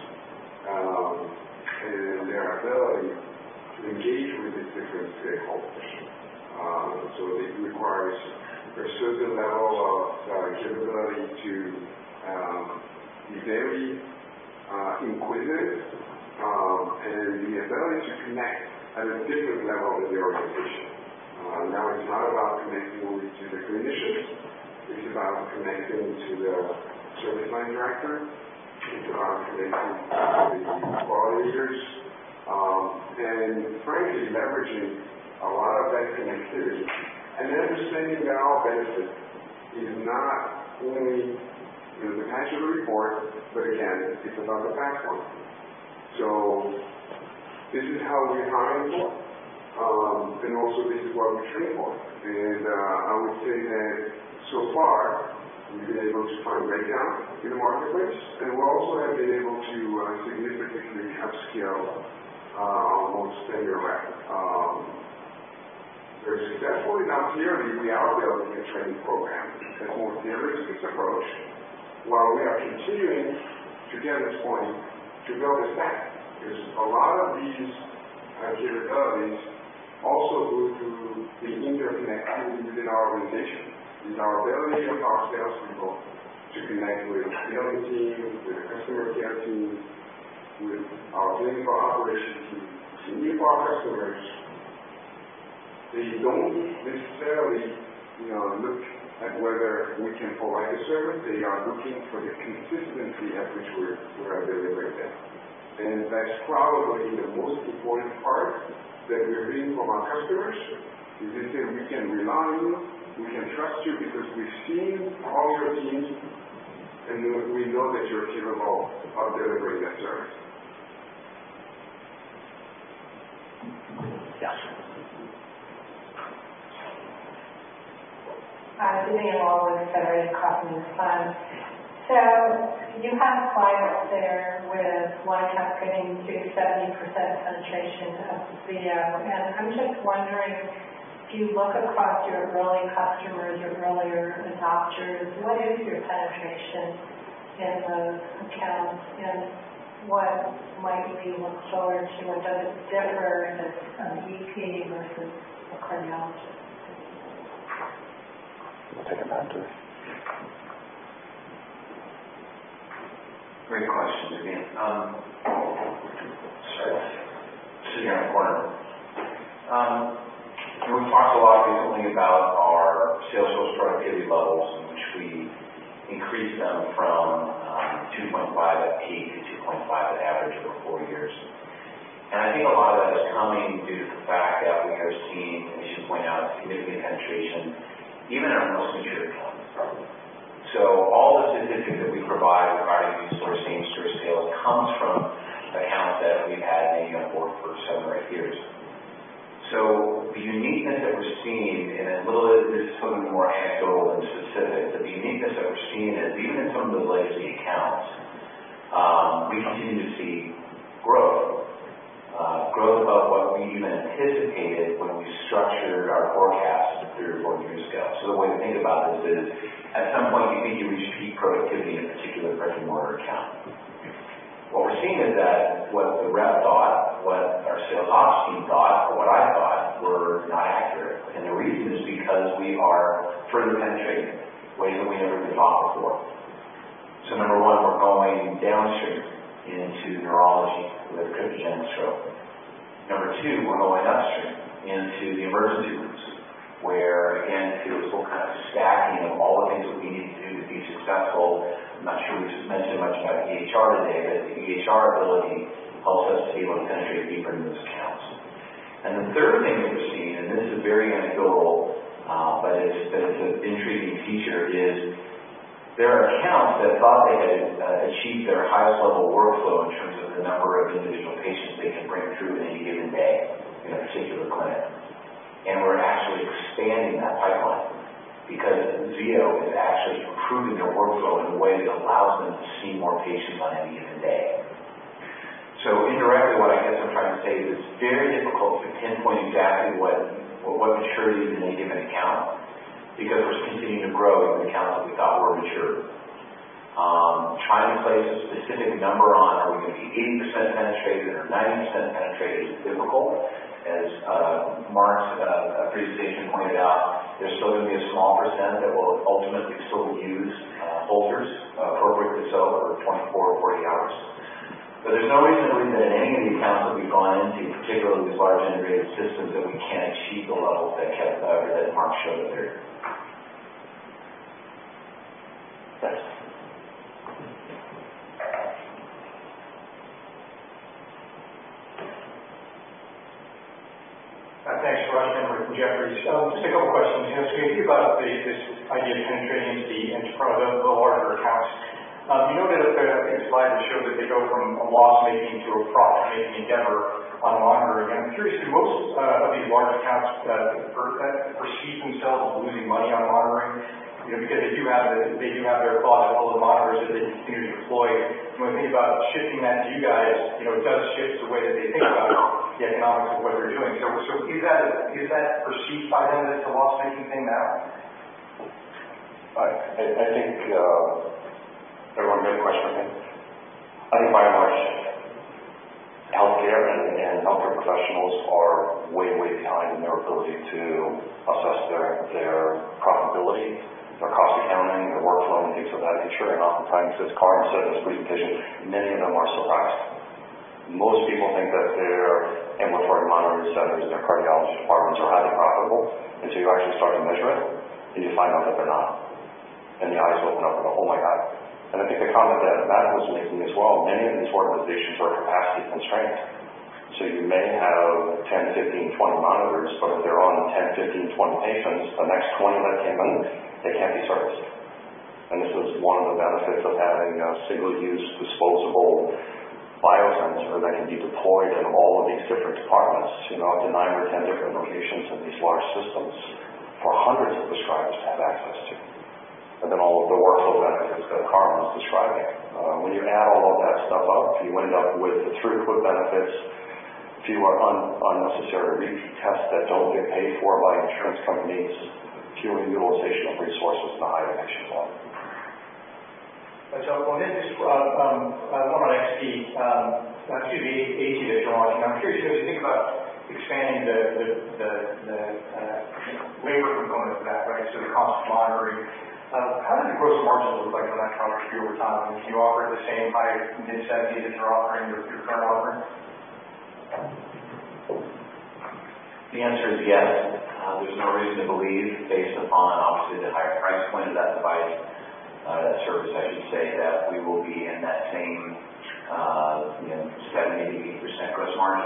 and their ability to engage with the different stakeholders. It requires a certain level of capability to be very inquisitive, and the ability to connect at a different level with the organization. Now it's not about connecting only to the clinicians. It's about connecting to the service line director. It's about connecting to the key thought leaders, and frankly, leveraging a lot of that connectivity and understanding that our benefit is not only the attach of the report, but again, it's about the platform. This is how we hire for, and also this is what we train for. I would say that so far we've been able to find the right talent in the marketplace, and we also have been able to significantly up-skill our most tenured reps. Very successfully. Now clearly we are building a training program and a more theoretical approach while we are continuing to Dan's point, to build a stack, because a lot of these capabilities also go through the interconnection within our organization. It's our ability of our sales people to connect with the development team, with the customer care team, with our clinical operations team. New for our customers, they don't necessarily look at whether we can provide a service. They are looking for the consistency at which we are delivering it. That's probably the most important part that we are hearing from our customers is they say, "We can rely on you. We can trust you because we've seen all your teams, and we know that you're capable of delivering that service. Gotcha. Vivian Wong with Federated Crossing Funds. You have clients there with one-tap fitting through 70% penetration of the video. I'm just wondering, if you look across your early customers, your earlier adopters, what is your penetration in those accounts and what might be the storage, or does it differ in an EP versus a cardiologist? We'll take it back to him. Great question, Vivian. Sorry, I was sitting in a corner. We talk a lot recently about our sales force productivity levels, in which we increased them from 2.5 at peak to 2.5 at average over 4 years. I think a lot of that is coming due to the fact that we are seeing, and we should point out, significant penetration, even in our most mature accounts. All the statistics that we provide regarding these sorts of gains to our sales comes from accounts that we've had maybe on board for seven or eight years. The uniqueness that we're seeing, and this is something more anecdotal than specific, the uniqueness that we're seeing is even in some of the legacy accounts, we continue to see growth. Growth above what we even anticipated when we structured our forecast three or four years ago. The way to think about this is, at some point, you think you reach peak productivity in a particular brick-and-mortar account. What we're seeing is that what the rep thought, what our sales ops team thought, or what I thought were not accurate. The reason is because we are further penetrating ways that we never did thought before. Number 1, we're going downstream into neurology with critical and stroke. Number 2, we're going upstream into the emergency rooms where again, there's this whole kind of stacking of all the things that we need to do to be successful. I'm not sure we mentioned much about EHR today, the EHR ability helps us to be able to penetrate deeper into those accounts. The third thing that we're seeing, and this is very anecdotal, but it's an intriguing feature, is there are accounts that thought they had achieved their highest level workflow in terms of the number of individual patients they can bring through in any given day in a particular clinic. We're actually expanding that pipeline because Zio is actually improving their workflow in a way that allows them to see more patients on any given day. Indirectly, what I guess I'm trying to say is it's very difficult to pinpoint exactly what maturity is in any given account because we're continuing to grow in the accounts that we thought were mature. Trying to place a specific number on, are we going to be 80% penetrated or 90% penetrated is difficult. As Mark's presentation pointed out, there's still going to be a small percent that will ultimately still use Holters, appropriately so, over 24 or 40 hours. There's no reason to believe that in any of the accounts that we've gone into, particularly these large integrated systems, that we can't achieve the levels that Kev described or that Mark showed earlier. Thanks. Thanks. Rajiv Sharma from Jefferies. Just a couple questions. You think about this idea of penetrating into part of the larger accounts. You know that there's, I think, a slide that showed that they go from a loss-making to a profit-making endeavor on monitoring. I'm curious, do most of these large accounts perceive themselves as losing money on monitoring? They do have their closet full of monitors that they continue to deploy. When you think about shifting that to you guys, it does shift the way that they think about the economics of what they're doing. Is that perceived by them as a loss-making thing now? I think Everyone repeat the question again. I think by and large, healthcare and healthcare professionals are way behind in their ability to assess their profitability, their cost accounting, their workflow, and things of that nature. Oftentimes, as Karim said in his presentation, many of them are surprised. Most people think that their ambulatory monitoring centers and their cardiology departments are highly profitable, until you actually start to measure it, and you find out that they're not. The eyes open up and go, "Oh, my God." I think the comment that Matt was making as well, many of these organizations are capacity constrained. You may have 10, 15, 20 monitors, but if they're on 10, 15, 20 patients, the next 20 that came in, they can't be serviced. This is one of the benefits of having a single-use disposable biosensor that can be deployed in all of these different departments at nine or 10 different locations in these large systems for hundreds of prescribers to have access to. All of the workflow benefits that Karim was describing. When you add all of that stuff up, you end up with the throughput benefits, fewer unnecessary repeat tests that don't get paid for by insurance companies, queuing utilization of resources, and a higher patient volume. I'll go next. One on XT. Excuse me, AT technology. I'm curious, as you think about expanding the labor component of that, so the cost of monitoring, how did the gross margin look like on that product for you over time? Do you offer it the same high mid-70s that you're offering with your current offering? The answer is yes. There's no reason to believe, based upon obviously the higher price point of that device, that service, I should say, that we will be in that same 70%-80% gross margin.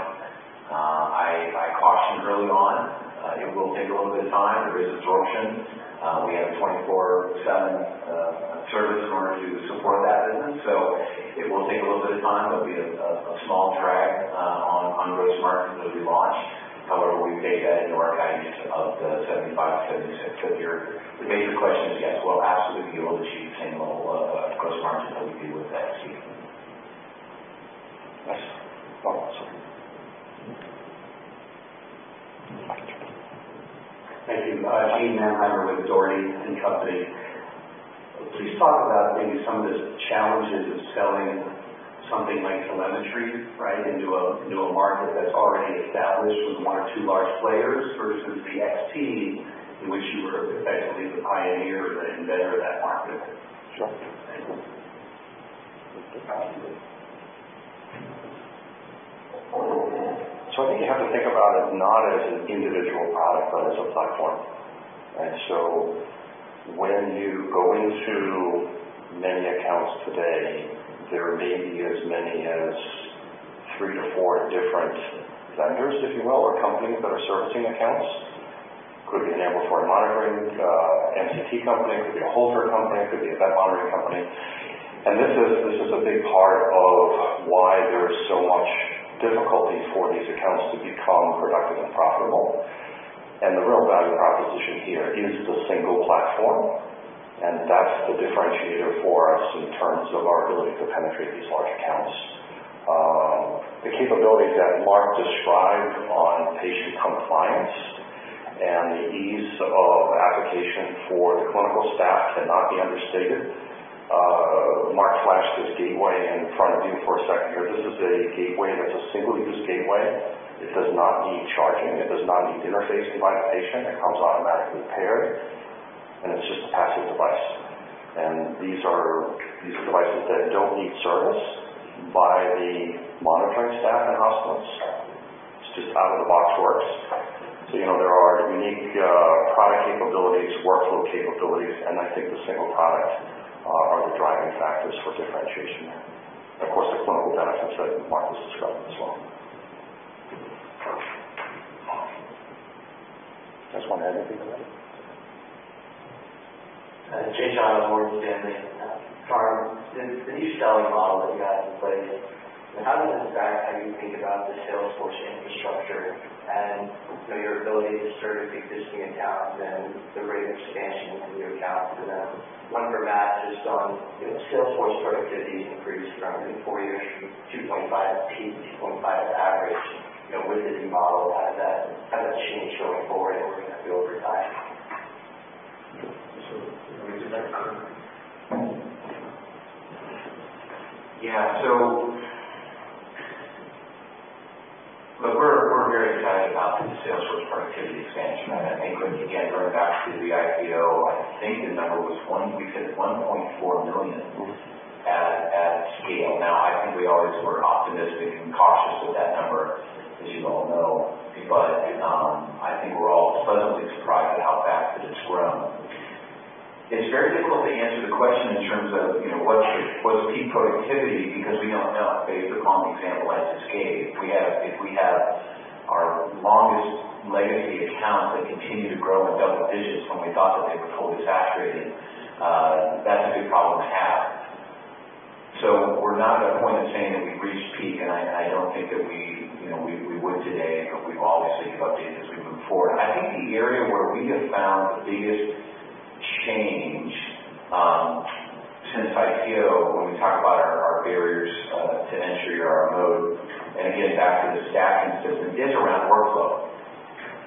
I cautioned early on it will take a little bit of time. There is absorption. We have a 24/7 service in order to support that business, so it will take a little bit of time. There'll be a small drag on gross margin as we launch. However, we've baked that into our guidance of the 75%, 70%. The major question is, yes, we'll absolutely be able to achieve the same level of gross margin that we do with the XT. Yes. Follow-up, sir. Thank you. Eugene Mannheimer with Dougherty & Company. Please talk about maybe some of the challenges of selling something like telemetry into a market that's already established with one or two large players versus the XT, in which you were effectively the pioneer or the inventor of that market. I think you have to think about it not as an individual product, but as a platform. When you go into many accounts today, there may be as many as three to four different vendors, if you will, or companies that are servicing accounts. Could be an ambulatory monitoring MCT company, could be a Holter company, could be event monitoring company. This is a big part of why there is so much difficulty for these accounts to become productive and profitable. The real value proposition here is the single platform, and that's the differentiator for us in terms of our ability to penetrate these large accounts. The capabilities that Mark described on patient compliance and the ease of application for the clinical staff cannot be understated. Mark flashed this gateway in front of you for a second here. This is a gateway that's a single-use gateway. It does not need charging. It does not need interfacing by the patient. It comes automatically paired, it's just a passive device These are devices that don't need service by the monitoring staff in hospitals. It's just out-of-the-box works. There are unique product capabilities, workflow capabilities, I think the single product are the driving factors for differentiation there. Of course, the clinical benefits that Mark was describing as well. Just one there, I think. [Jay Shaw, Morgan Stanley.] Tom, the new selling model that you have in place, how does it affect how you think about the sales force infrastructure and your ability to serve existing accounts and the rate of expansion into new accounts? Then one for Matt, just on sales force productivity's increased from in four years, 2.5 to 8.5 average. With the new model, has that changed going forward? Is that still your timing? You want me to take that? Yeah, look, we're very excited about the sales force productivity expansion. I think when, again, going back to the IPO, I think the number was one, we said $1.4 million at scale. I think we always were optimistic and cautious with that number, as you all know. I think we're all pleasantly surprised at how fast it has grown. It's very difficult to answer the question in terms of what's peak productivity because we don't know. Based upon the example Alexis gave, if we have our longest legacy accounts that continue to grow in double digits when we thought that they were fully saturated, that's a good problem to have. We're not at a point of saying that we've reached peak, and I don't think that we would today, but we've always said we'd update it as we move forward. I think the area where we have found the biggest change since IPO, when we talk about our barriers to entry or our mode, and again, back to the staffing system, is around workflow.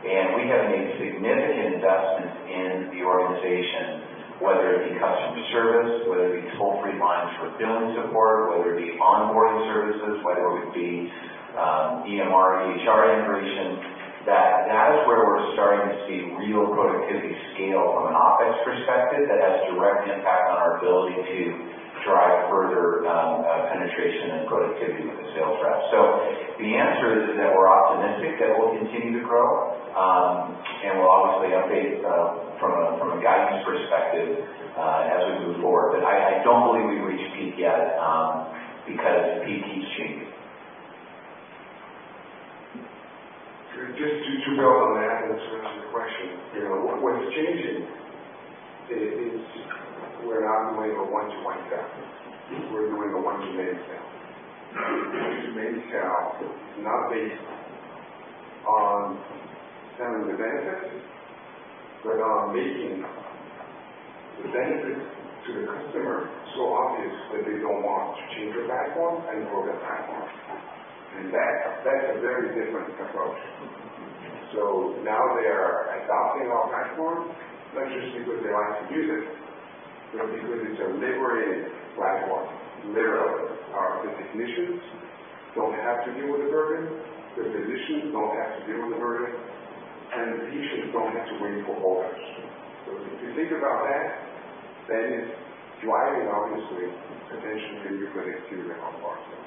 We have made significant investments in the organization, whether it be customer service, whether it be toll-free lines for billing support, whether it be onboarding services, whether it be EMR, EHR integration. That is where we're starting to see real productivity scale from an office perspective that has a direct impact on our ability to drive further penetration and productivity with the sales reps. The answer is that we're optimistic that we'll continue to grow. We'll obviously update from a guidance perspective as we move forward. I don't believe we've reached peak yet because peak keeps changing. Just to build on that and also answer the question. What's changing is we're not doing a one-to-one sale. We're doing a one-to-many sale. One-to-many sale is not based on selling the benefits, but on making the benefits to the customer so obvious that they don't want to change their platform and grow their platform. That's a very different approach. Now they are adopting our platform not just because they like to use it, but because it's a liberating platform, literally. Our technicians don't have to deal with the burden, the physicians don't have to deal with the burden, and the patients don't have to wait for orders. If you think about that is driving, obviously, potentially, the good activity on our platform.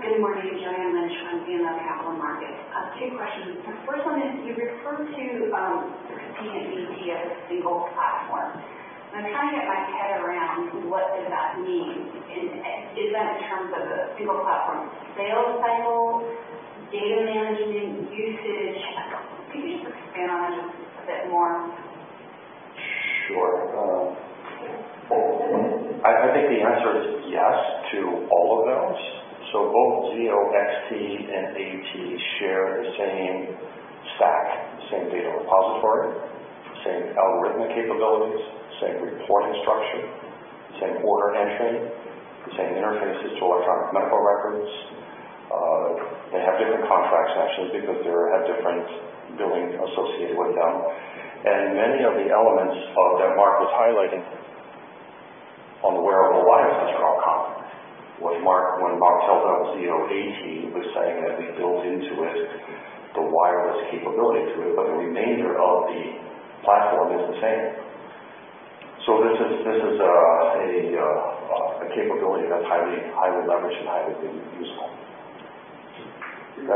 Good morning. Joanne Lynch from BMO Capital Markets. Two questions. The first one is, you referred to the Zio AT as a single platform. I'm trying to get my head around what does that mean. Is that in terms of a single platform sales cycle, data management, usage? Can you just expand on it a bit more? Sure. I think the answer is yes to all of those. Both Zio XT and AT share the same stack, same data repository, same algorithmic capabilities, same reporting structure, same order entry, the same interfaces to electronic medical records. They have different contract sections because they have different billing associated with them. Many of the elements that Mark was highlighting on the wearable wireless platform. When Mark tells us Zio AT, we're saying that we built into it the wireless capability to it, but the remainder of the platform is the same. This is a capability that's highly leveraged and highly useful. Just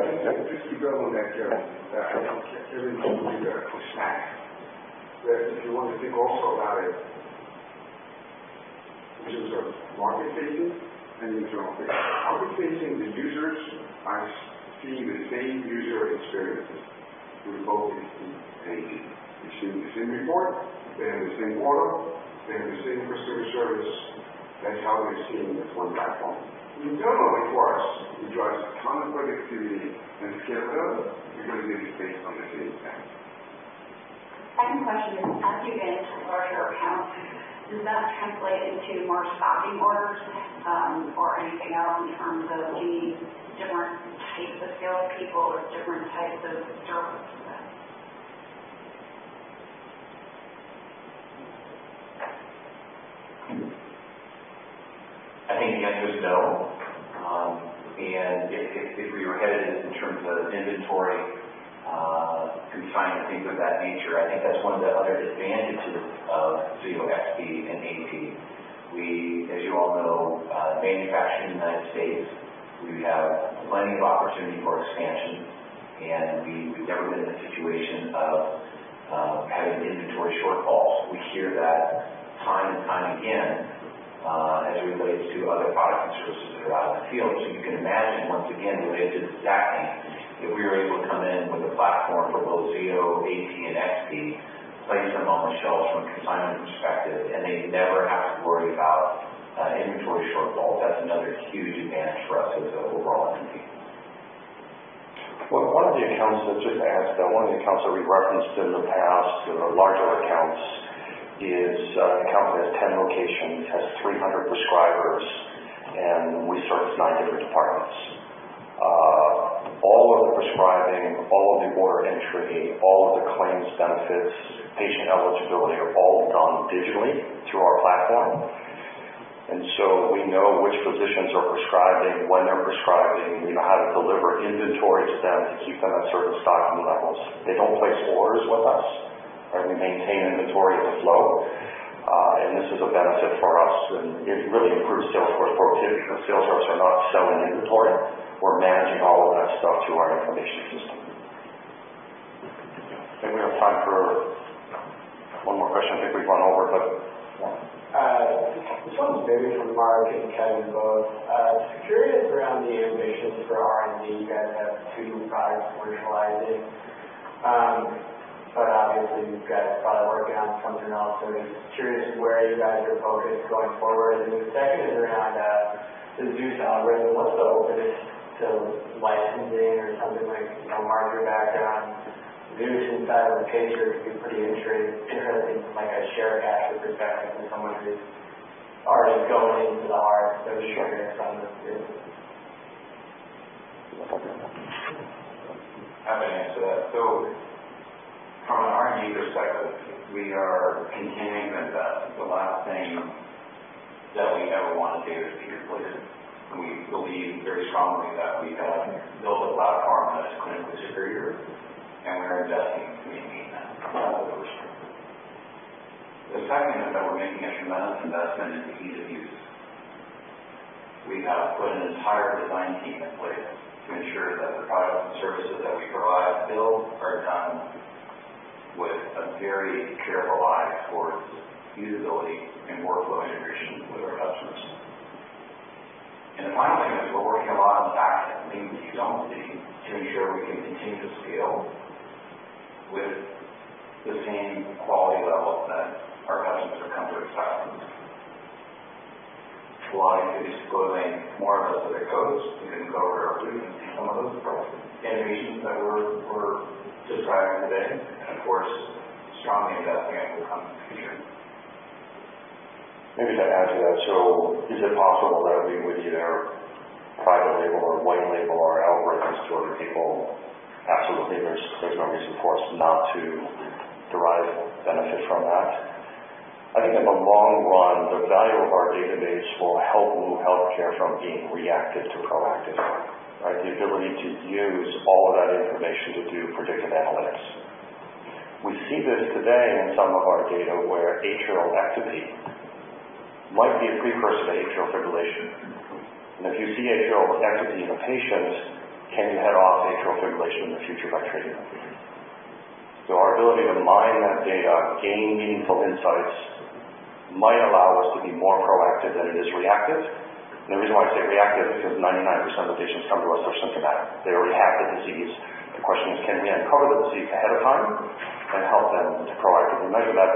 to build on that, Joanne. I don't care if you read or stack. If you want to think also about it in terms of market-facing and internal-facing. Outward-facing, the users are seeing the same user experience with both XT and AT. They're seeing the same report, they have the same order, they have the same customer service. That's how they're seeing it's one platform. The internal reports address productivity and scale. Those are going to be based on the same stack. Second question is, as you get into larger accounts, does that translate into more staffing orders or anything else in terms of needing different types of salespeople or different types of- I think the answer is no. If we were headed in terms of inventory consignment, things of that nature, I think that's one of the other advantages of Zio XT and Zio AT. As you all know, manufacturing in the U.S., we have plenty of opportunity for expansion, and we've never been in a situation of having inventory shortfalls. We hear that time and time again as it relates to other products and services throughout the field. You can imagine, once again, related to staffing, if we were able to come in with a platform for both Zio AT and Zio XT, place them on the shelf from a consignment perspective, and they never have to worry about inventory shortfalls. That's another huge advantage for us as an overall entity. Well, one of the accounts that just asked, one of the accounts that we've referenced in the past, the larger accounts, is an account that has 10 locations, has 300 prescribers, and we service 9 different departments. All of the prescribing, all of the order entry, all of the claims benefits, patient eligibility, are all done digitally through our platform. We know which physicians are prescribing, when they're prescribing, how to deliver inventory to them to keep them at certain stocking levels. They don't place orders with us. We maintain inventory as a flow, and this is a benefit for us, and it really improves Salesforce productivity because sales reps are not selling inventory. We're managing all of that stuff through our information system. I think we have time for one more question. I think we've run over, yeah. This one's maybe for Mark and Kevin both. Just curious around the ambitions for R&D. You guys have two new products commercializing. Obviously, you guys are probably working on something else. Just curious where you guys are focused going forward. Then the second is around the ZEUS algorithm. What's the openness to licensing or something like, Mark, your background, ZEUS inside of a pacemaker could be pretty interesting from a share of wallet perspective from someone who's already going into the heart. Just curious on those two. Happy to answer that. From an R&D perspective, we are continuing to invest. The last thing that we ever want to do is be replaced. We believe very strongly that we have built a platform that is clinically superior. We are investing to maintain that level of strength. The second is that we're making a tremendous investment in ease of use. We have put an entire design team in place to ensure that the products and services that we provide build are done with a very careful eye towards usability and workflow integration with our customers. The final thing is we're working a lot on the back-end things that you don't see to ensure we can continue to scale with the same quality level that our customers have come to expect from us. We'll obviously be disclosing more of those as it goes. You can go to our booth and see some of those innovations that we're just diving into today, and of course, strongly investing in for the future. Maybe to add to that, is it possible that we would either private label or white label our algorithms to other people? Absolutely. There's no reason for us not to derive benefit from that. I think in the long run, the value of our database will help move healthcare from being reactive to proactive, right? The ability to use all of that information to do predictive analytics. We see this today in some of our data where atrial ectopy might be a precursor to atrial fibrillation. If you see atrial ectopy in a patient, can you head off atrial fibrillation in the future by treating that patient? Our ability to mine that data, gain meaningful insights, might allow us to be more proactive than it is reactive. The reason why I say reactive is because 99% of the patients come to us are symptomatic. They already have the disease. The question is, can we uncover the disease ahead of time and help them to proactively manage that?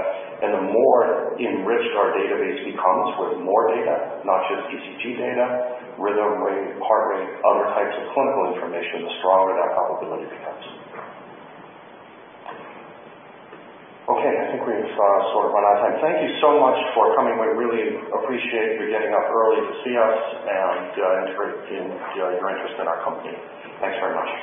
The more enriched our database becomes with more data, not just ECG data, rhythm, rate, heart rate, other types of clinical information, the stronger that probability becomes. Okay, I think we've sort of run out of time. Thank you so much for coming. We really appreciate you getting up early to see us and your interest in our company. Thanks very much.